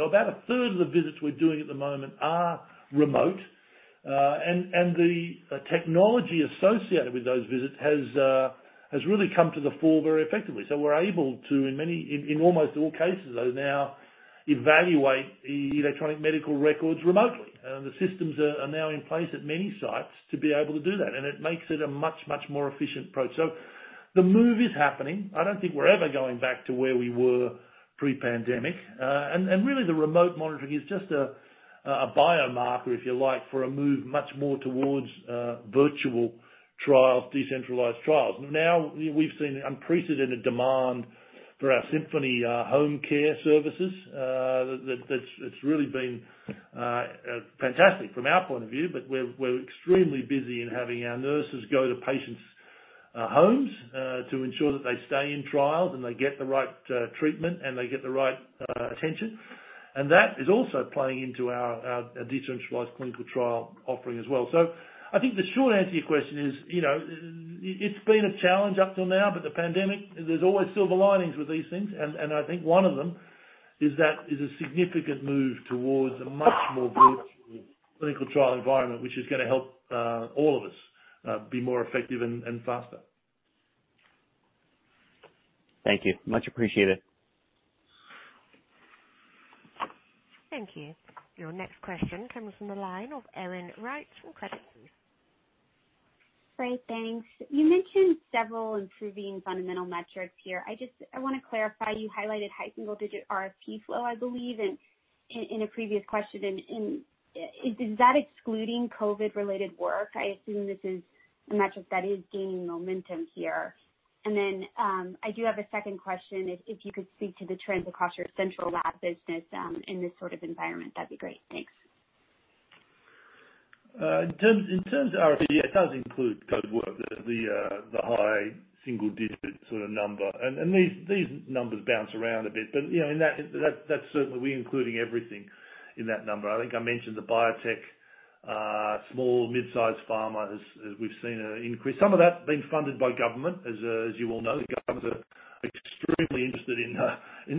[SPEAKER 3] About a third of the visits we're doing at the moment are remote. The technology associated with those visits has really come to the fore very effectively. We're able to, in almost all cases, now evaluate electronic medical records remotely. The systems are now in place at many sites to be able to do that, and it makes it a much, much more efficient approach. The move is happening. I don't think we're ever going back to where we were pre-pandemic. Really, the remote monitoring is just a biomarker, if you like, for a move much more towards virtual trials, decentralized trials. Now, we've seen unprecedented demand for our Symphony home care services. That's really been fantastic from our point of view, but we're extremely busy in having our nurses go to patients' homes to ensure that they stay in trials and they get the right treatment and they get the right attention. That is also playing into our decentralized clinical trial offering as well. I think the short answer to your question is, it's been a challenge up till now, but the pandemic, there's always silver linings with these things, and I think one of them is that it's a significant move towards a much more virtual clinical trial environment, which is going to help all of us be more effective and faster.
[SPEAKER 10] Thank you. Much appreciated.
[SPEAKER 4] Thank you. Your next question comes from the line of Erin Wright from Credit Suisse.
[SPEAKER 11] Great, thanks. You mentioned several improving fundamental metrics here. I want to clarify, you highlighted high single-digit RFP flow, I believe, in a previous question. Is that excluding COVID-related work? I assume this is a metric that is gaining momentum here. I do have a second question, if you could speak to the trends across your central lab business, in this sort of environment, that'd be great. Thanks.
[SPEAKER 3] In terms of RFP, it does include COVID work, the high single digit sort of number. These numbers bounce around a bit, but that's certainly including everything in that number. I think I mentioned the biotech, small, mid-size pharma, as we've seen an increase. Some of that's been funded by government, as you all know. The government are extremely interested in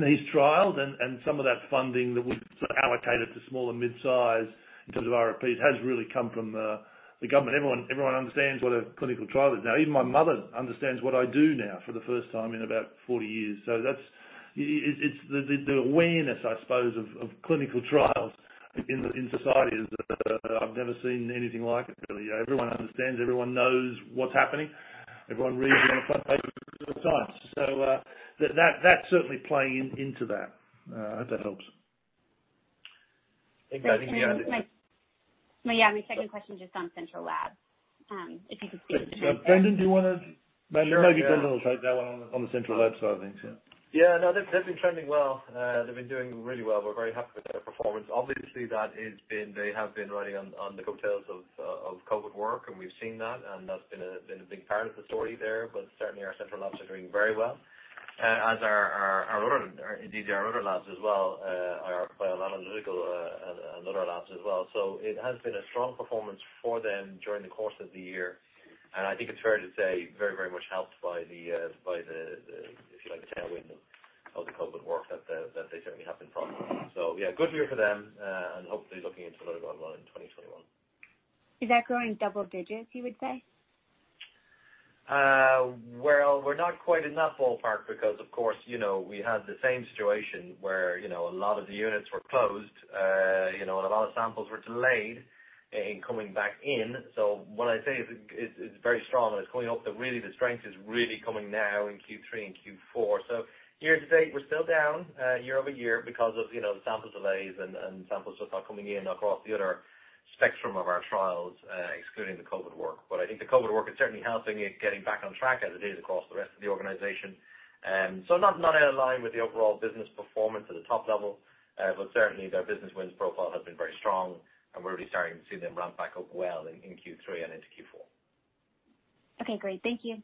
[SPEAKER 3] these trials and some of that funding that would allocate it to small and mid-size in terms of RFPs has really come from the government. Everyone understands what a clinical trial is. Now, even my mother understands what I do now for the first time in about 40 years. The awareness, I suppose, of clinical trials in society is that I've never seen anything like it really. Everyone understands, everyone knows what's happening. Everyone reads it on the front page of The New York Times. That's certainly playing into that. I hope that helps.
[SPEAKER 11] Yeah, my second question just on central lab, if you could speak to that.
[SPEAKER 3] Brendan, do you want to?
[SPEAKER 2] Sure.
[SPEAKER 3] Maybe Brendan will take that one on the central lab side of things.
[SPEAKER 2] Yeah, no, they've been trending well. They've been doing really well. We're very happy with their performance. Obviously, they have been riding on the coattails of COVID work, and we've seen that, and that's been a big part of the story there. Certainly, our central labs are doing very well. As are indeed our other labs as well, our bioanalytical and other labs as well. It has been a strong performance for them during the course of the year, and I think it's fair to say very much helped by the, if you like, the tailwind of the COVID work that they certainly have been from. Yeah, good year for them, and hopefully looking into another good one in 2021.
[SPEAKER 11] Is that growing double digits, you would say?
[SPEAKER 2] We're not quite in that ballpark because, of course, we had the same situation where a lot of the units were closed, and a lot of samples were delayed in coming back in. What I'd say is it's very strong, and it's coming up, but really the strength is really coming now in Q3 and Q4. Year-to-date, we're still down year-over-year because of the sample delays and samples just not coming in across the other spectrum of our trials, excluding the COVID work. I think the COVID work is certainly helping it getting back on track as it is across the rest of the organization. Not in line with the overall business performance at the top level. Certainly, their business wins profile has been very strong, and we're really starting to see them ramp back up well in Q3 and into Q4.
[SPEAKER 11] Okay, great. Thank you.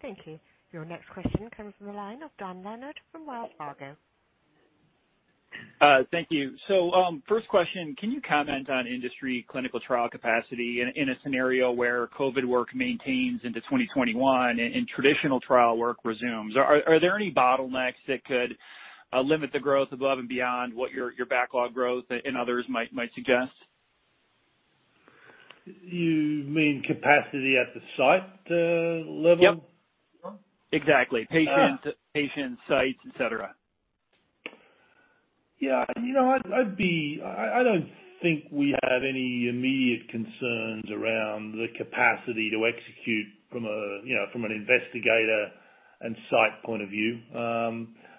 [SPEAKER 4] Thank you. Your next question comes from the line of Dan Leonard from Wells Fargo.
[SPEAKER 12] Thank you. First question, can you comment on industry clinical trial capacity in a scenario where COVID work maintains into 2021, and traditional trial work resumes? Are there any bottlenecks that could limit the growth above and beyond what your backlog growth and others might suggest?
[SPEAKER 3] You mean capacity at the site level?
[SPEAKER 12] Yep. Exactly. Patients, sites, et cetera.
[SPEAKER 3] Yeah. I don't think we have any immediate concerns around the capacity to execute from an investigator and site point of view.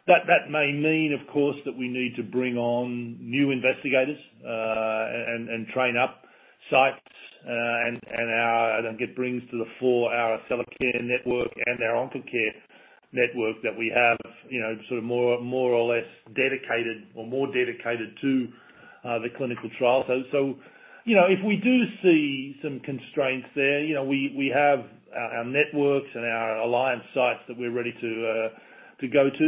[SPEAKER 3] That may mean, of course, that we need to bring on new investigators, and train up sites. I think it brings to the fore our Accellacare network and our Oncacare network that we have more or less dedicated, or more dedicated to the clinical trial. If we do see some constraints there, we have our networks and our alliance sites that we're ready to go to.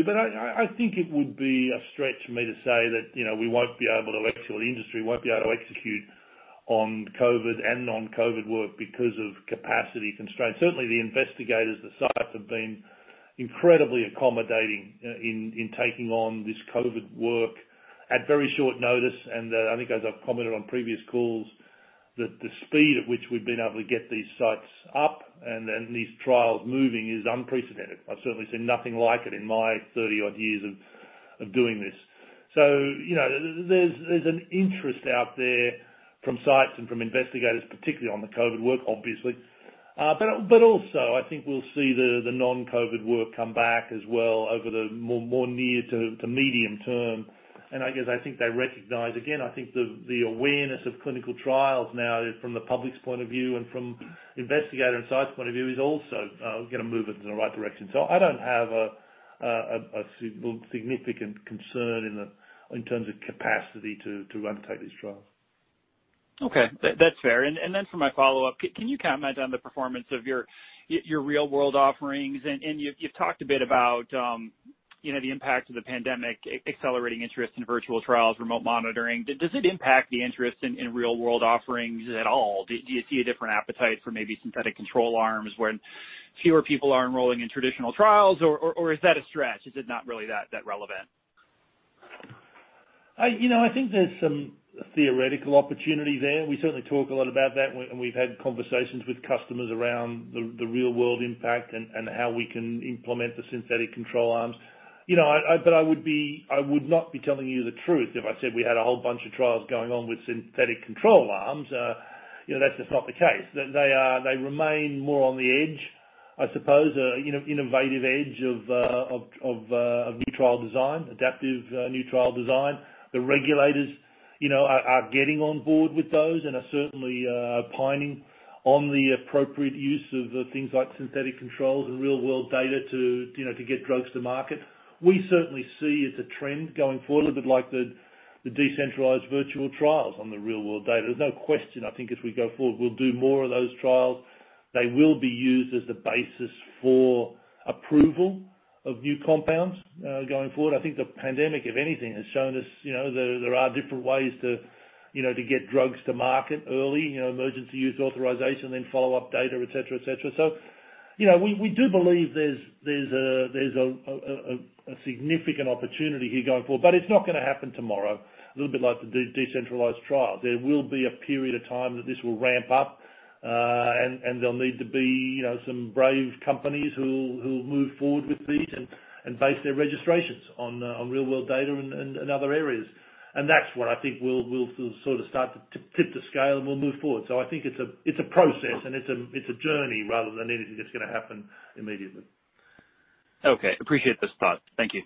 [SPEAKER 3] I think it would be a stretch for me to say that we won't be able to execute, or the industry won't be able to execute on COVID and non-COVID work because of capacity constraints. Certainly, the investigators, the sites, have been incredibly accommodating in taking on this COVID work at very short notice. I think as I've commented on previous calls, the speed at which we've been able to get these sites up and these trials moving is unprecedented. I've certainly seen nothing like it in my 30-odd years of doing this. There's an interest out there from sites and from investigators, particularly on the COVID work, obviously. Also, I think we'll see the non-COVID work come back as well over the more near to medium term. I guess, I think they recognize, again, I think the awareness of clinical trials now from the public's point of view and from investigator and sites point of view is also going to move us in the right direction. I don't have a significant concern in terms of capacity to undertake these trials.
[SPEAKER 12] Okay. That's fair. Then for my follow-up, can you comment on the performance of your real-world offerings? You've talked a bit about the impact of the pandemic accelerating interest in virtual trials, remote monitoring. Does it impact the interest in real-world offerings at all? Do you see a different appetite for maybe synthetic control arms when fewer people are enrolling in traditional trials, or is that a stretch? Is it not really that relevant?
[SPEAKER 3] I think there's some theoretical opportunity there. We certainly talk a lot about that, and we've had conversations with customers around the real-world impact and how we can implement the synthetic control arms. I would not be telling you the truth if I said we had a whole bunch of trials going on with synthetic control arms. That's just not the case. They remain more on the edge, I suppose, innovative edge of new trial design, adaptive new trial design. The regulators are getting on board with those and are certainly opining on the appropriate use of things like synthetic controls and real-world data to get drugs to market. We certainly see it's a trend going forward, a bit like the decentralized virtual trials on the real-world data. There's no question, I think, as we go forward, we'll do more of those trials. They will be used as the basis for approval of new compounds going forward. I think the pandemic, if anything, has shown us there are different ways to get drugs to market early, emergency use authorization, then follow-up data, et cetera. We do believe there's a significant opportunity here going forward, but it's not going to happen tomorrow. A little bit like the decentralized trials. There will be a period of time that this will ramp up, and there'll need to be some brave companies who'll move forward with these and base their registrations on real-world data and other areas. That's what I think we'll sort of start to tip the scale, and we'll move forward. I think it's a process and it's a journey rather than anything that's going to happen immediately.
[SPEAKER 12] Okay. Appreciate the spot. Thank you.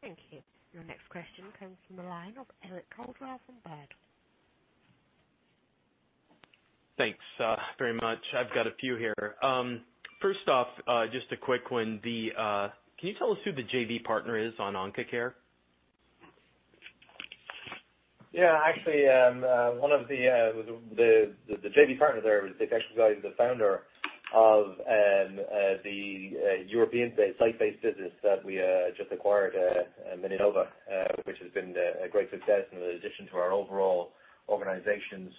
[SPEAKER 4] Thank you. Your next question comes from the line of Eric Coldwell from Baird.
[SPEAKER 13] Thanks very much. I've got a few here. First off, just a quick one. Can you tell us who the JV partner is on Oncacare?
[SPEAKER 2] Yeah, actually, one of the JV partners there is actually the founder of the European site-based business that we just acquired, MeDiNova, which has been a great success and an addition to our overall organization.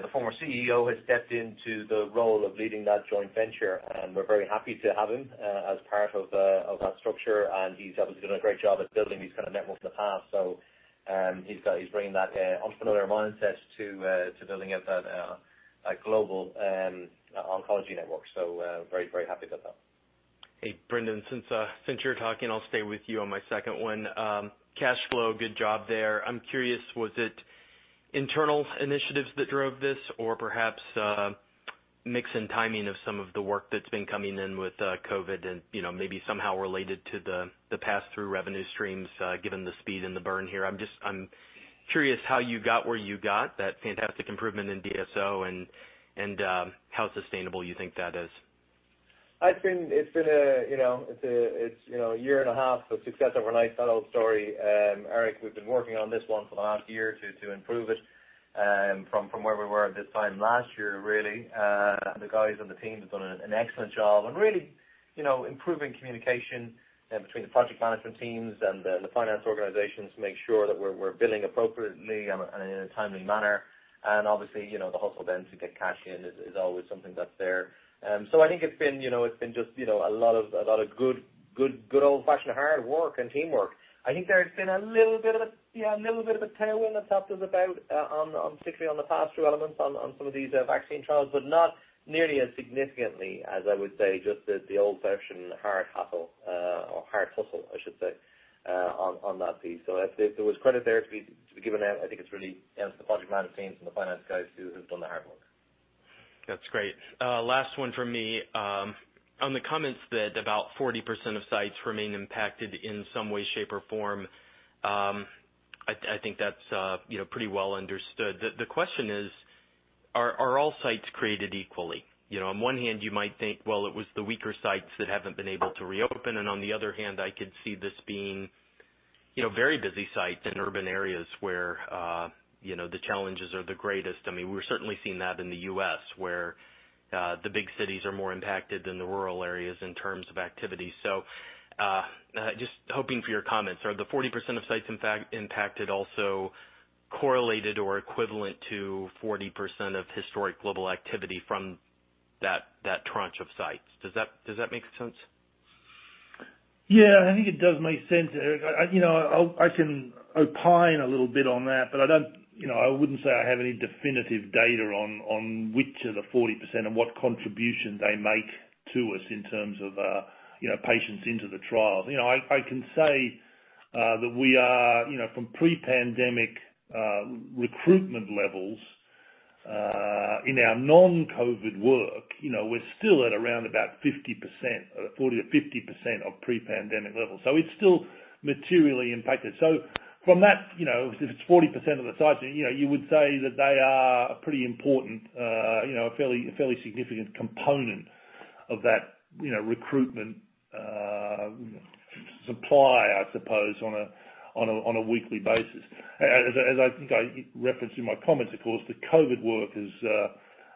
[SPEAKER 2] The former CEO has stepped into the role of leading that joint venture, and we're very happy to have him as part of that structure. He's obviously done a great job at building these kind of networks in the past. He's bringing that entrepreneurial mindset to building out that global oncology network. Very, very happy about that.
[SPEAKER 13] Hey, Brendan, since you're talking, I'll stay with you on my second one. Cash flow, good job there. I'm curious, was it internal initiatives that drove this or perhaps a mix in timing of some of the work that's been coming in with COVID and maybe somehow related to the pass-through revenue streams, given the speed and the burn here? I'm curious how you got where you got, that fantastic improvement in DSO and how sustainable you think that is.
[SPEAKER 2] It's a year and a half, success overnight, that old story. Eric, we've been working on this one for the last year to improve it from where we were at this time last year, really. The guys on the team have done an excellent job on really improving communication between the project management teams and the finance organizations to make sure that we're billing appropriately and in a timely manner. Obviously, the hustle then to get cash in is always something that's there. I think it's been just a lot of good old-fashioned hard work and teamwork. I think there's been a little bit of a tailwind that's helped us about, particularly on the pass-through elements on some of these vaccine trials, but not nearly as significantly as I would say, just the old-fashioned hard hustle, I should say, on that piece. If there was credit there to be given out, I think it's really down to the project management teams and the finance guys who have done the hard work.
[SPEAKER 13] That's great. Last one from me. On the comments that about 40% of sites remain impacted in some way, shape, or form, I think that's pretty well understood. The question is, are all sites created equally? On one hand, you might think, well, it was the weaker sites that haven't been able to reopen, and on the other hand, I could see this being very busy sites in urban areas where the challenges are the greatest. I mean, we're certainly seeing that in the U.S., where the big cities are more impacted than the rural areas in terms of activity. Just hoping for your comments. Are the 40% of sites impacted also correlated or equivalent to 40% of historic global activity from that tranche of sites? Does that make sense?
[SPEAKER 3] Yeah, I think it does make sense, Eric. I can opine a little bit on that, but I wouldn't say I have any definitive data on which of the 40% and what contribution they make to us in terms of patients into the trials. I can say that we are from pre-pandemic recruitment levels, in our non-COVID work, we're still at around about 50%, 40%-50% of pre-pandemic levels. It's still materially impacted. From that, if it's 40% of the sites, you would say that they are a pretty important, fairly significant component of that recruitment supply, I suppose, on a weekly basis. As I think I referenced in my comments, of course, the COVID work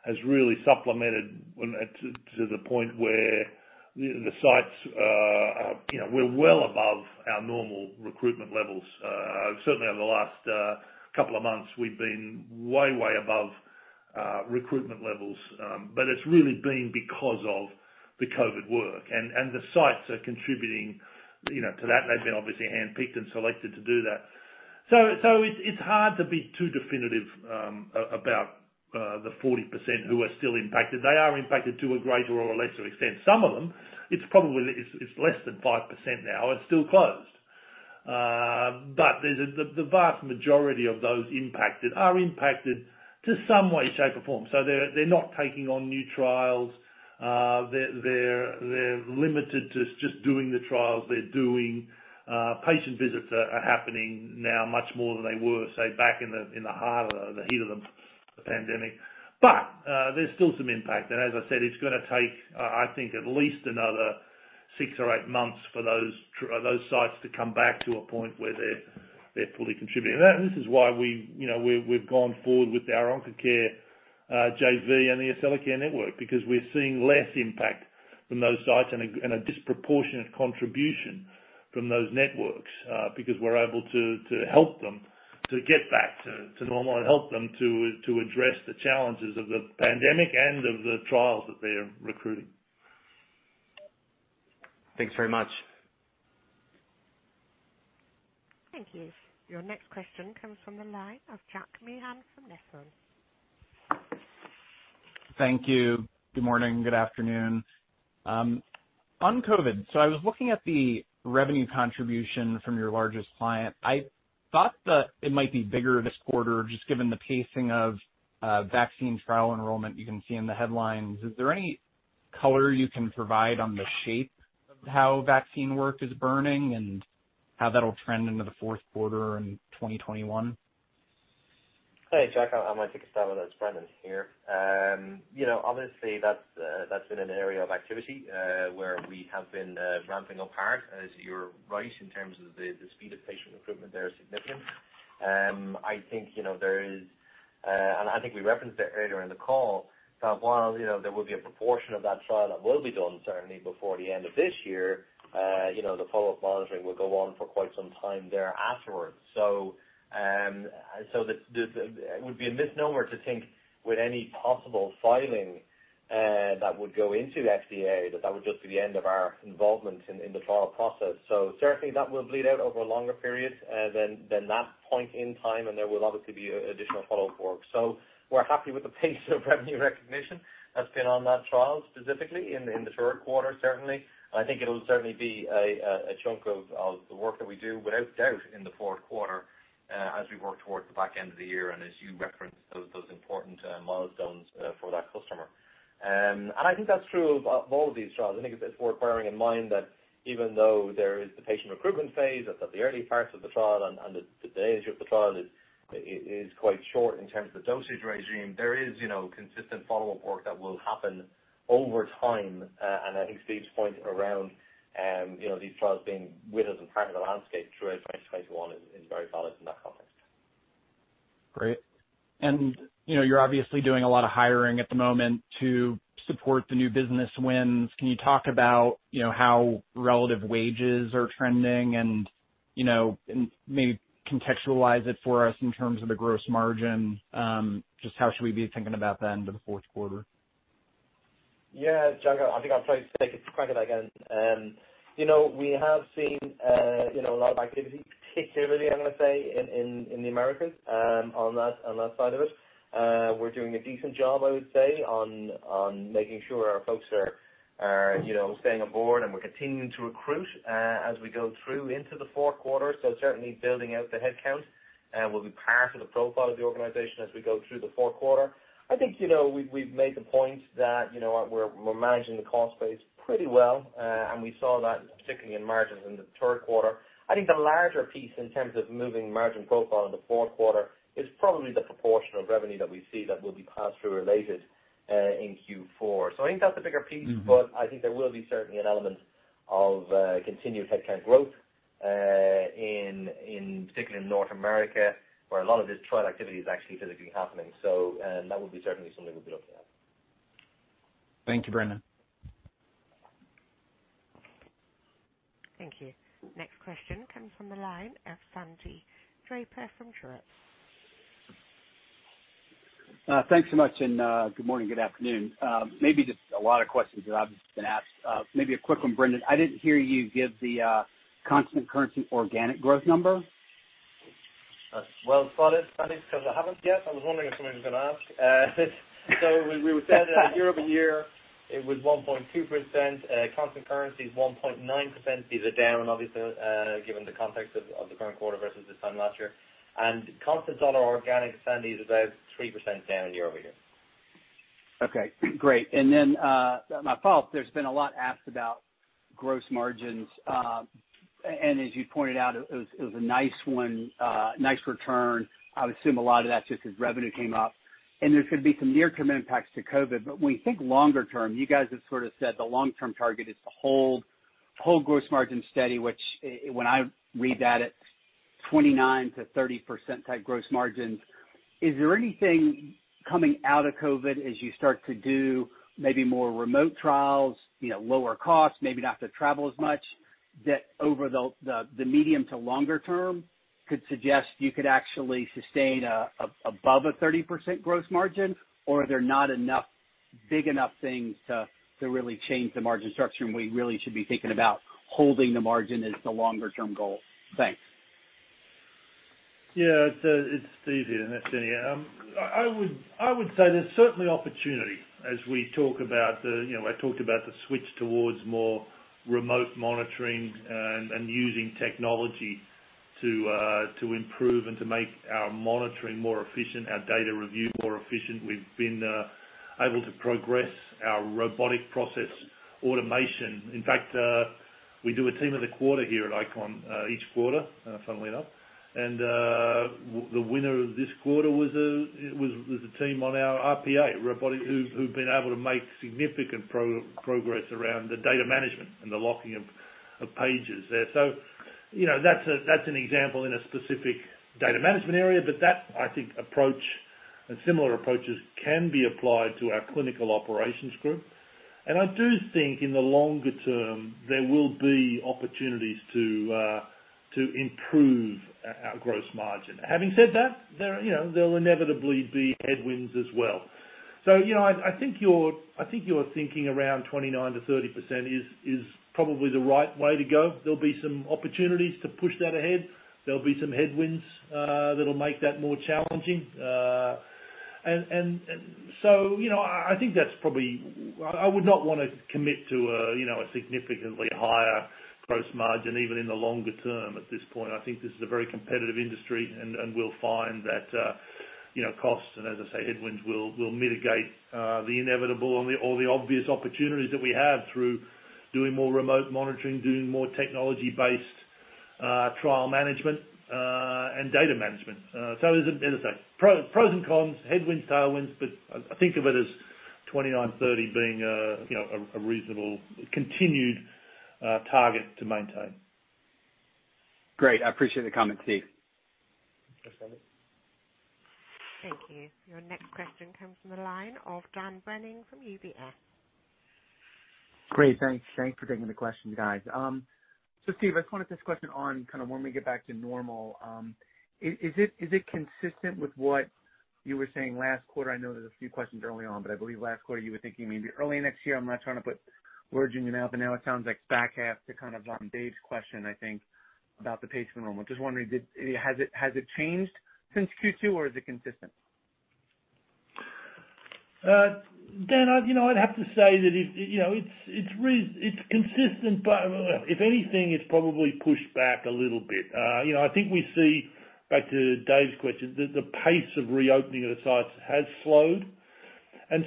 [SPEAKER 3] has really supplemented to the point where the sites, we're well above our normal recruitment levels. Certainly over the last couple of months, we've been way above recruitment levels. It's really been because of the COVID work, and the sites are contributing to that. They've been obviously handpicked and selected to do that. It's hard to be too definitive about the 40% who are still impacted. They are impacted to a greater or a lesser extent. Some of them, it's less than 5% now. It's still closed. The vast majority of those impacted are impacted to some way, shape, or form. They're not taking on new trials. They're limited to just doing the trials they're doing. Patient visits are happening now much more than they were, say, back in the heart of the heat of the pandemic. There's still some impact. As I said, it's going to take, I think, at least another six or eight months for those sites to come back to a point where they're fully contributing. This is why we've gone forward with our Oncacare JV and the Accellacare network because we're seeing less impact from those sites and a disproportionate contribution from those networks. We're able to help them to get back to normal and help them to address the challenges of the pandemic and of the trials that they're recruiting.
[SPEAKER 13] Thanks very much.
[SPEAKER 4] Thank you. Your next question comes from the line of Jack Meehan from Nephron.
[SPEAKER 14] Thank you. Good morning, good afternoon. On COVID, I was looking at the revenue contribution from your largest client. I thought that it might be bigger this quarter, just given the pacing of vaccine trial enrollment you can see in the headlines. Is there any color you can provide on the shape of how vaccine work is burning and how that'll trend into the fourth quarter in 2021?
[SPEAKER 2] Hey, Jack. I might take a stab at it. It's Brendan here. Obviously, that's been an area of activity where we have been ramping up hard as you're right in terms of the speed of patient recruitment there is significant. I think we referenced it earlier in the call that while there will be a proportion of that trial that will be done certainly before the end of this year, the follow-up monitoring will go on for quite some time there afterwards. It would be a misnomer to think with any possible filing that would go into FDA, that that would just be the end of our involvement in the trial process. Certainly that will bleed out over a longer period than that point in time, and there will obviously be additional follow-up work. We're happy with the pace of revenue recognition that's been on that trial, specifically in the third quarter, certainly. I think it'll certainly be a chunk of the work that we do, without doubt, in the fourth quarter as we work towards the back end of the year and as you referenced those important milestones for that customer. I think that's true of all of these trials. I think it's worth bearing in mind that even though there is the patient recruitment phase at the early parts of the trial and the stage of the trial is quite short in terms of the dosage regime, there is consistent follow-up work that will happen over time. I think Steve's point around these trials being with us and part of the landscape throughout 2021 is very valid in that context.
[SPEAKER 14] Great. You're obviously doing a lot of hiring at the moment to support the new business wins. Can you talk about how relative wages are trending and maybe contextualize it for us in terms of the gross margin? Just how should we be thinking about that into the fourth quarter?
[SPEAKER 2] Yeah. Jack, I think I'll probably take a crack at it again. We have seen a lot of activity, particularly, I'm going to say, in the Americas on that side of it. We're doing a decent job, I would say, on making sure our folks are staying aboard, and we're continuing to recruit as we go through into the fourth quarter. Certainly building out the headcount will be part of the profile of the organization as we go through the fourth quarter. I think we've made the point that we're managing the cost base pretty well. We saw that particularly in margins in the third quarter. I think the larger piece in terms of moving margin profile in the fourth quarter is probably the proportion of revenue that we see that will be passed through related in Q4. I think that's a bigger piece. I think there will be certainly an element of continued headcount growth, particularly in North America, where a lot of this trial activity is actually physically happening. That would be certainly something we'll be looking at.
[SPEAKER 14] Thank you, Brendan.
[SPEAKER 4] Thank you. Next question comes from the line of Sandy Draper from Truist.
[SPEAKER 15] Thanks so much. Good morning, good afternoon. Maybe just a lot of questions that I've been asked. Maybe a quick one, Brendan. I didn't hear you give the constant currency organic growth number.
[SPEAKER 2] Well spotted, Sandy, because I haven't yet. I was wondering if somebody was going to ask. We said that year-over-year it was 1.2%, constant currency is 1.9%. These are down, obviously, given the context of the current quarter versus this time last year. Constant dollar organic, Sandy, is about 3% down year-over-year.
[SPEAKER 15] Okay, great. Then, my fault, there's been a lot asked about gross margins. As you pointed out, it was a nice one, nice return. I would assume a lot of that's just as revenue came up, and there's going to be some near-term impacts to COVID. When you think longer term, you guys have sort of said the long-term target is to hold gross margin steady, which, when I read that, it's 29%-30% type gross margins. Is there anything coming out of COVID as you start to do maybe more remote trials, lower costs, maybe not to travel as much, that over the medium to longer term could suggest you could actually sustain above a 30% gross margin? Are there not enough big enough things to really change the margin structure, and we really should be thinking about holding the margin as the longer-term goal? Thanks.
[SPEAKER 3] Yeah. It's easy enough, Sandy. I would say there's certainly opportunity as we talk about the switch towards more remote monitoring and using technology to improve and to make our monitoring more efficient, our data review more efficient. We've been able to progress our robotic process automation. In fact, we do a team of the quarter here at ICON, each quarter, funnily enough. The winner of this quarter was a team on our RPA, robotic, who've been able to make significant progress around the data management and the locking of pages there. That's an example in a specific data management area. That, I think, approach and similar approaches can be applied to our clinical operations group. I do think in the longer term, there will be opportunities to improve our gross margin. Having said that, there'll inevitably be headwinds as well. I think you're thinking around 29%-30% is probably the right way to go. There'll be some opportunities to push that ahead. There'll be some headwinds that'll make that more challenging. I think that's probably I would not want to commit to a significantly higher gross margin, even in the longer term at this point. I think this is a very competitive industry, and we'll find that costs, and as I say, headwinds, will mitigate the inevitable and the obvious opportunities that we have through doing more remote monitoring, doing more technology-based trial management, and data management. There's, as I say, pros and cons, headwinds, tailwinds, but I think of it as 29%, 30% being a reasonable continued target to maintain.
[SPEAKER 15] Great. I appreciate the comment, Steve.
[SPEAKER 3] Thanks, Sandy.
[SPEAKER 4] Thank you. Your next question comes from the line of Dan Brennan from UBS.
[SPEAKER 16] Great. Thanks for taking the question, guys. Steve, I just wanted to ask this question on kind of when we get back to normal. Is it consistent with what you were saying last quarter? I know there's a few questions early on, but I believe last quarter you were thinking maybe early next year. I'm not trying to put words in your mouth, and now it sounds like back half to kind of on Dave's question, I think, about the patient enrollment. Just wondering, has it changed since Q2, or is it consistent?
[SPEAKER 3] Dan, I'd have to say that it's consistent, but if anything, it's probably pushed back a little bit. I think we see, back to Dave's question, that the pace of reopening of the sites has slowed. I'm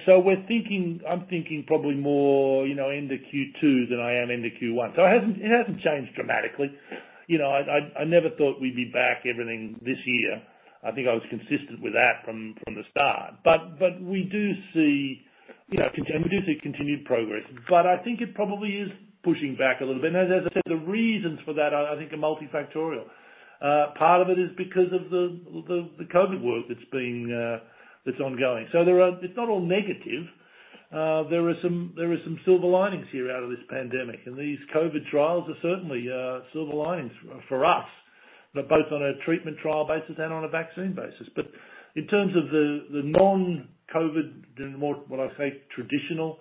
[SPEAKER 3] thinking probably more into Q2 than I am into Q1. It hasn't changed dramatically. I never thought we'd be back, everything this year. I think I was consistent with that from the start. We do see continued progress, but I think it probably is pushing back a little bit. As I said, the reasons for that, I think, are multifactorial. Part of it is because of the COVID work that's ongoing. It's not all negative. There are some silver linings here out of this pandemic, and these COVID trials are certainly silver linings for us, both on a treatment trial basis and on a vaccine basis. In terms of the non-COVID and more, what I say, traditional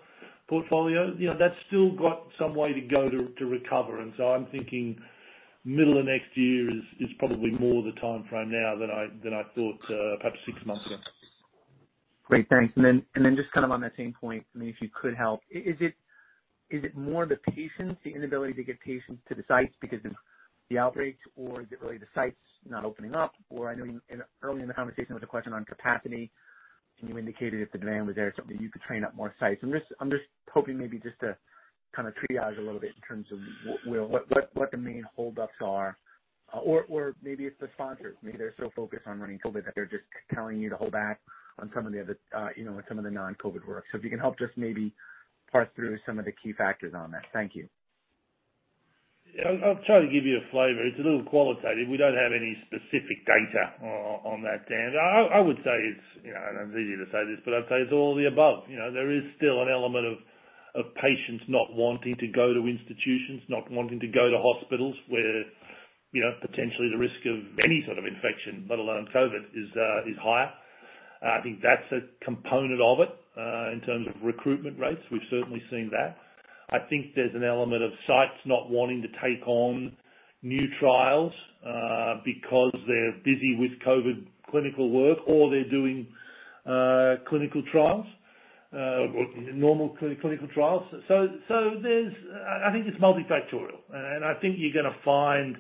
[SPEAKER 3] portfolio, that's still got some way to go to recover. I'm thinking middle of next year is probably more the timeframe now than I thought perhaps six months ago.
[SPEAKER 16] Great, thanks. Then just on that same point, maybe if you could help. Is it more the patients, the inability to get patients to the sites because of the outbreaks, or is it really the sites not opening up? I know earlier in the conversation, there was a question on capacity, and you indicated if the demand was there, certainly you could train up more sites. I'm just hoping maybe just to kind of triage a little bit in terms of what the main holdups are. Maybe it's the sponsors. Maybe they're so focused on running COVID that they're just telling you to hold back on some of the non-COVID work. If you can help just maybe parse through some of the key factors on that. Thank you.
[SPEAKER 3] Yeah. I'll try to give you a flavor. It's a little qualitative. We don't have any specific data on that, Dan. I would say it's, and it's easy to say this, but I'd say it's all the above. There is still an element of patients not wanting to go to institutions, not wanting to go to hospitals where potentially the risk of any sort of infection, let alone COVID, is higher. I think that's a component of it, in terms of recruitment rates. We've certainly seen that. I think there's an element of sites not wanting to take on new trials, because they're busy with COVID clinical work, or they're doing clinical trials, normal clinical trials. I think it's multifactorial, and I think you're going to find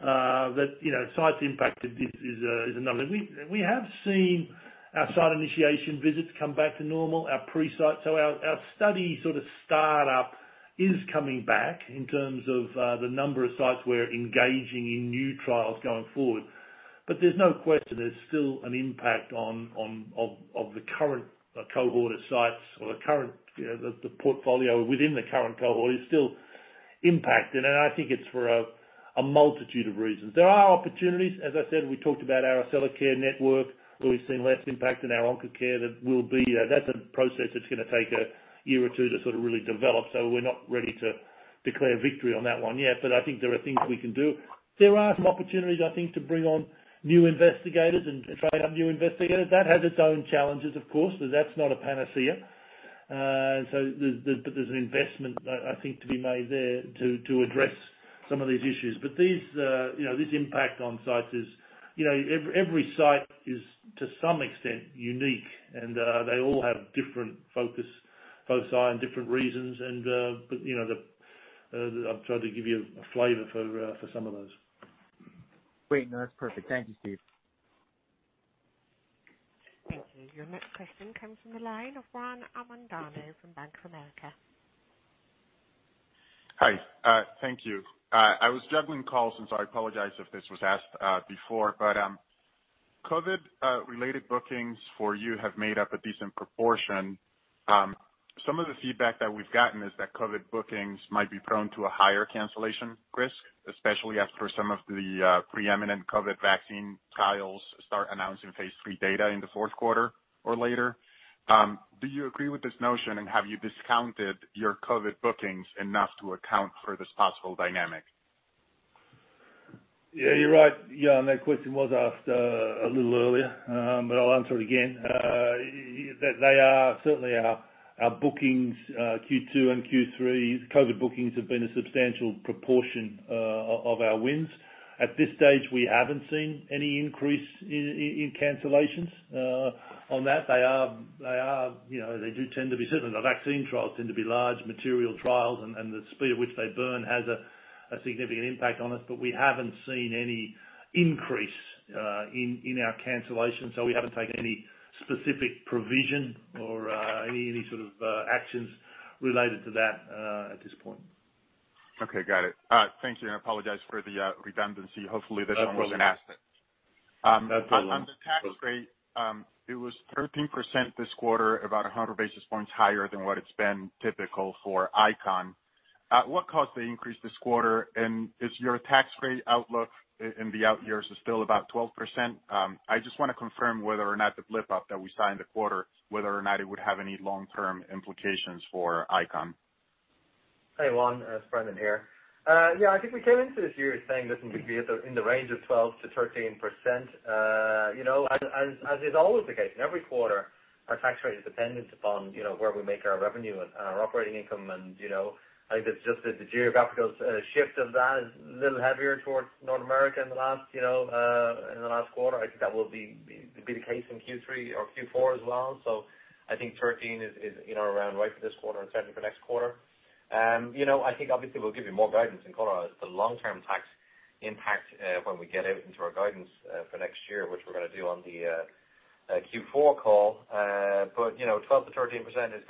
[SPEAKER 3] that site's impact is another. We have seen our site initiation visits come back to normal, our pre-site. Our study sort of startup is coming back in terms of the number of sites we're engaging in new trials going forward. There's no question there's still an impact of the current cohort of sites or the portfolio within the current cohort is still impacted, and I think it's for a multitude of reasons. There are opportunities. As I said, we talked about our Accellacare network, where we've seen less impact in our Oncacare. That's a process that's going to take a year or two to sort of really develop. We're not ready to declare victory on that one yet. I think there are things we can do. There are some opportunities, I think, to bring on new investigators and train up new investigators. That has its own challenges, of course. That's not a panacea. There's an investment, I think, to be made there to address some of these issues. This impact on sites is, every site is, to some extent, unique and they all have different focus, foci, and different reasons and, but I've tried to give you a flavor for some of those.
[SPEAKER 16] Great. No, that's perfect. Thank you, Steve.
[SPEAKER 4] Thank you. Your next question comes from the line of Juan Avendano from Bank of America.
[SPEAKER 17] Hi. Thank you. I was juggling calls and so I apologize if this was asked before, but COVID-related bookings for you have made up a decent proportion. Some of the feedback that we've gotten is that COVID bookings might be prone to a higher cancellation risk, especially after some of the preeminent COVID vaccine trials start announcing phase III data in the fourth quarter or later. Do you agree with this notion, and have you discounted your COVID bookings enough to account for this possible dynamic?
[SPEAKER 3] Yeah, you're right, Juan. That question was asked a little earlier, but I'll answer it again. Certainly our bookings Q2 and Q3, COVID bookings have been a substantial proportion of our wins. At this stage, we haven't seen any increase in cancellations on that. Certainly the vaccine trials tend to be large material trials, and the speed at which they burn has a significant impact on us. We haven't seen any increase in our cancellations. We haven't taken any specific provision or any sort of actions related to that at this point.
[SPEAKER 17] Okay. Got it. Thank you, and I apologize for the redundancy. Hopefully that one wasn't asked.
[SPEAKER 3] No problem.
[SPEAKER 17] On the tax rate, it was 13% this quarter, about 100 basis points higher than what it's been typical for ICON. What caused the increase this quarter, is your tax rate outlook in the out years is still about 12%? I just want to confirm whether or not the blip-up that we saw in the quarter, whether or not it would have any long-term implications for ICON.
[SPEAKER 2] Hey, Juan. It's Brendan here. I think we came into this year saying this would be in the range of 12%-13%. As is always the case, in every quarter, our tax rate is dependent upon where we make our revenue and our operating income. I think the geographical shift of that is a little heavier towards North America in the last quarter. I think that will be the case in Q3 or Q4 as well. I think 13% is in or around right for this quarter and certainly for next quarter. I think obviously we'll give you more guidance in quarter as the long-term tax impact when we get out into our guidance for next year, which we're going to do on the Q4 call. 12%-13% is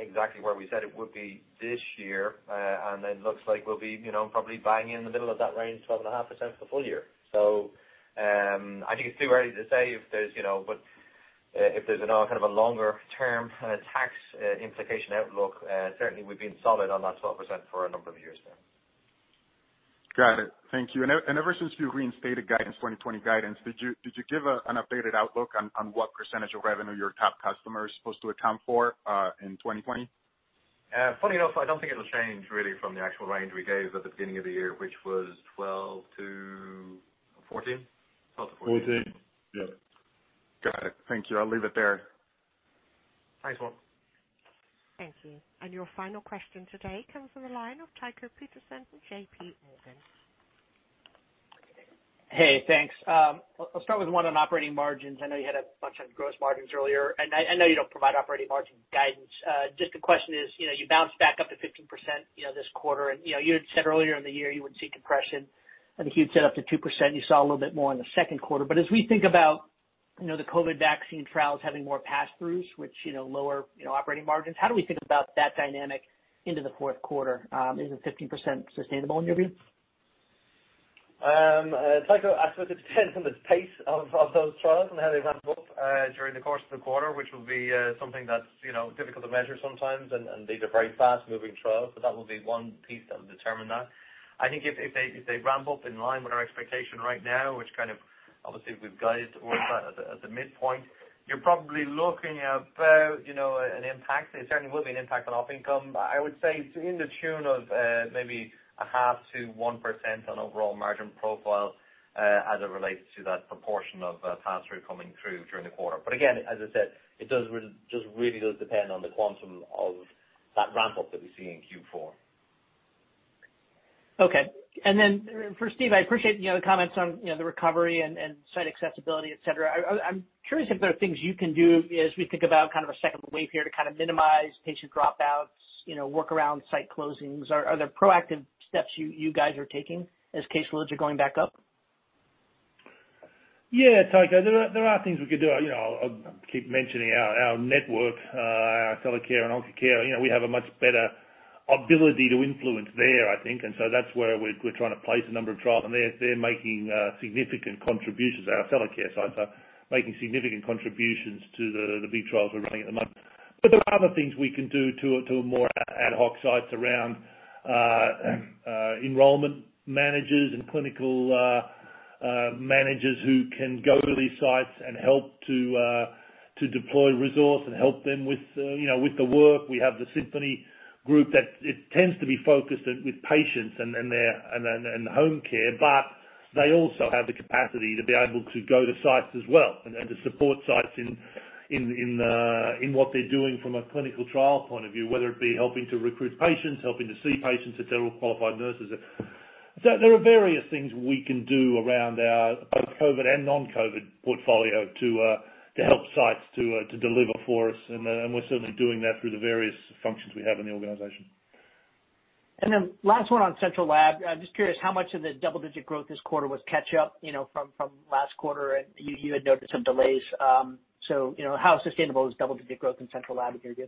[SPEAKER 2] exactly where we said it would be this year. Looks like we'll be probably banging in the middle of that range, 12.5% for the full year. I think it's too early to say if there's a longer-term tax implication outlook. Certainly, we've been solid on that 12% for a number of years now.
[SPEAKER 17] Got it. Thank you. Ever since you reinstated guidance, 2020 guidance, did you give an updated outlook on what % of revenue your top customer is supposed to account for in 2020?
[SPEAKER 2] Funny enough, I don't think it'll change really from the actual range we gave at the beginning of the year, which was 12%-14%. 12%-14%.
[SPEAKER 3] 14%, yep.
[SPEAKER 17] Got it. Thank you. I'll leave it there.
[SPEAKER 2] Thanks, Juan.
[SPEAKER 4] Thank you. Your final question today comes from the line of Tycho Peterson from JPMorgan.
[SPEAKER 18] Hey, thanks. I'll start with one on operating margins. I know you had a bunch on gross margins earlier. I know you don't provide operating margin guidance. Just the question is, you bounced back up to 15% this quarter. You had said earlier in the year you would see compression. I think you'd said up to 2%, you saw a little bit more in the second quarter. As we think about the COVID vaccine trials having more passthroughs, which lower operating margins, how do we think about that dynamic into the fourth quarter? Is the 15% sustainable, in your view?
[SPEAKER 2] Tycho, I suppose it depends on the pace of those trials and how they ramp up during the course of the quarter, which will be something that's difficult to measure sometimes, and these are very fast-moving trials, so that will be one piece that will determine that. I think if they ramp up in line with our expectation right now, which obviously we've guided towards that as a midpoint, you're probably looking about an impact. It certainly will be an impact on OP income. I would say in the tune of maybe 0.5% to 1% on overall margin profile as it relates to that proportion of pass-through coming through during the quarter. Again, as I said, it just really does depend on the quantum of that ramp-up that we see in Q4.
[SPEAKER 18] Okay. For Steve, I appreciate the comments on the recovery and site accessibility, et cetera. I am curious if there are things you can do as we think about a second wave here to minimize patient dropouts, work around site closings. Are there proactive steps you guys are taking as caseloads are going back up?
[SPEAKER 3] Yeah, Tycho, there are things we could do. I'll keep mentioning our network, our Accellacare and Oncacare. We have a much better ability to influence there, I think, and so that's where we're trying to place a number of trials, and they're making significant contributions. Our Accellacare sites are making significant contributions to the big trials we're running at the moment. There are other things we can do to more ad hoc sites around enrollment managers and clinical managers who can go to these sites and help to deploy resource and help them with the work. We have the Symphony group that it tends to be focused with patients and home care, but they also have the capacity to be able to go to sites as well and to support sites in what they're doing from a clinical trial point of view, whether it be helping to recruit patients, helping to see patients if they're all qualified nurses. There are various things we can do around our both COVID and non-COVID portfolio to help sites to deliver for us. We're certainly doing that through the various functions we have in the organization.
[SPEAKER 18] Last one on Central Lab. Just curious, how much of the double-digit growth this quarter was catch-up from last quarter? You had noted some delays. How sustainable is double-digit growth in Central Lab, if any?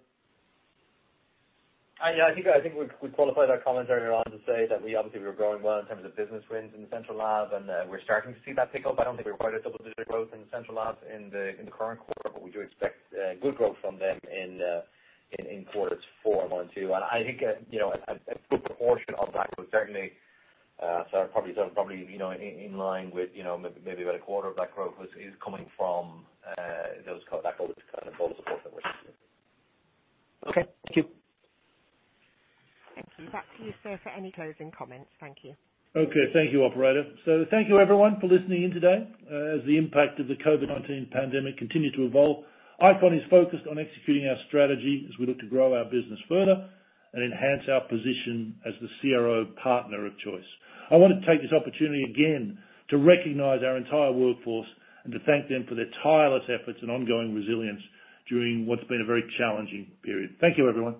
[SPEAKER 2] I think we qualified our comments earlier on to say that obviously we were growing well in terms of business wins in Central Lab, and we're starting to see that pick up. I don't think we're quite at double-digit growth in Central Lab in the current quarter, but we do expect good growth from them in quarters [four and one and two. I think a good proportion of that was certainly probably in line with maybe about a quarter of that growth is coming from that kind of support that we're seeing.
[SPEAKER 18] Okay. Thank you.
[SPEAKER 4] Thank you. Back to you, sir, for any closing comments. Thank you.
[SPEAKER 3] Okay. Thank you, operator. Thank you, everyone, for listening in today. As the impact of the COVID-19 pandemic continue to evolve, ICON is focused on executing our strategy as we look to grow our business further and enhance our position as the CRO partner of choice. I want to take this opportunity again to recognize our entire workforce and to thank them for their tireless efforts and ongoing resilience during what's been a very challenging period. Thank you, everyone.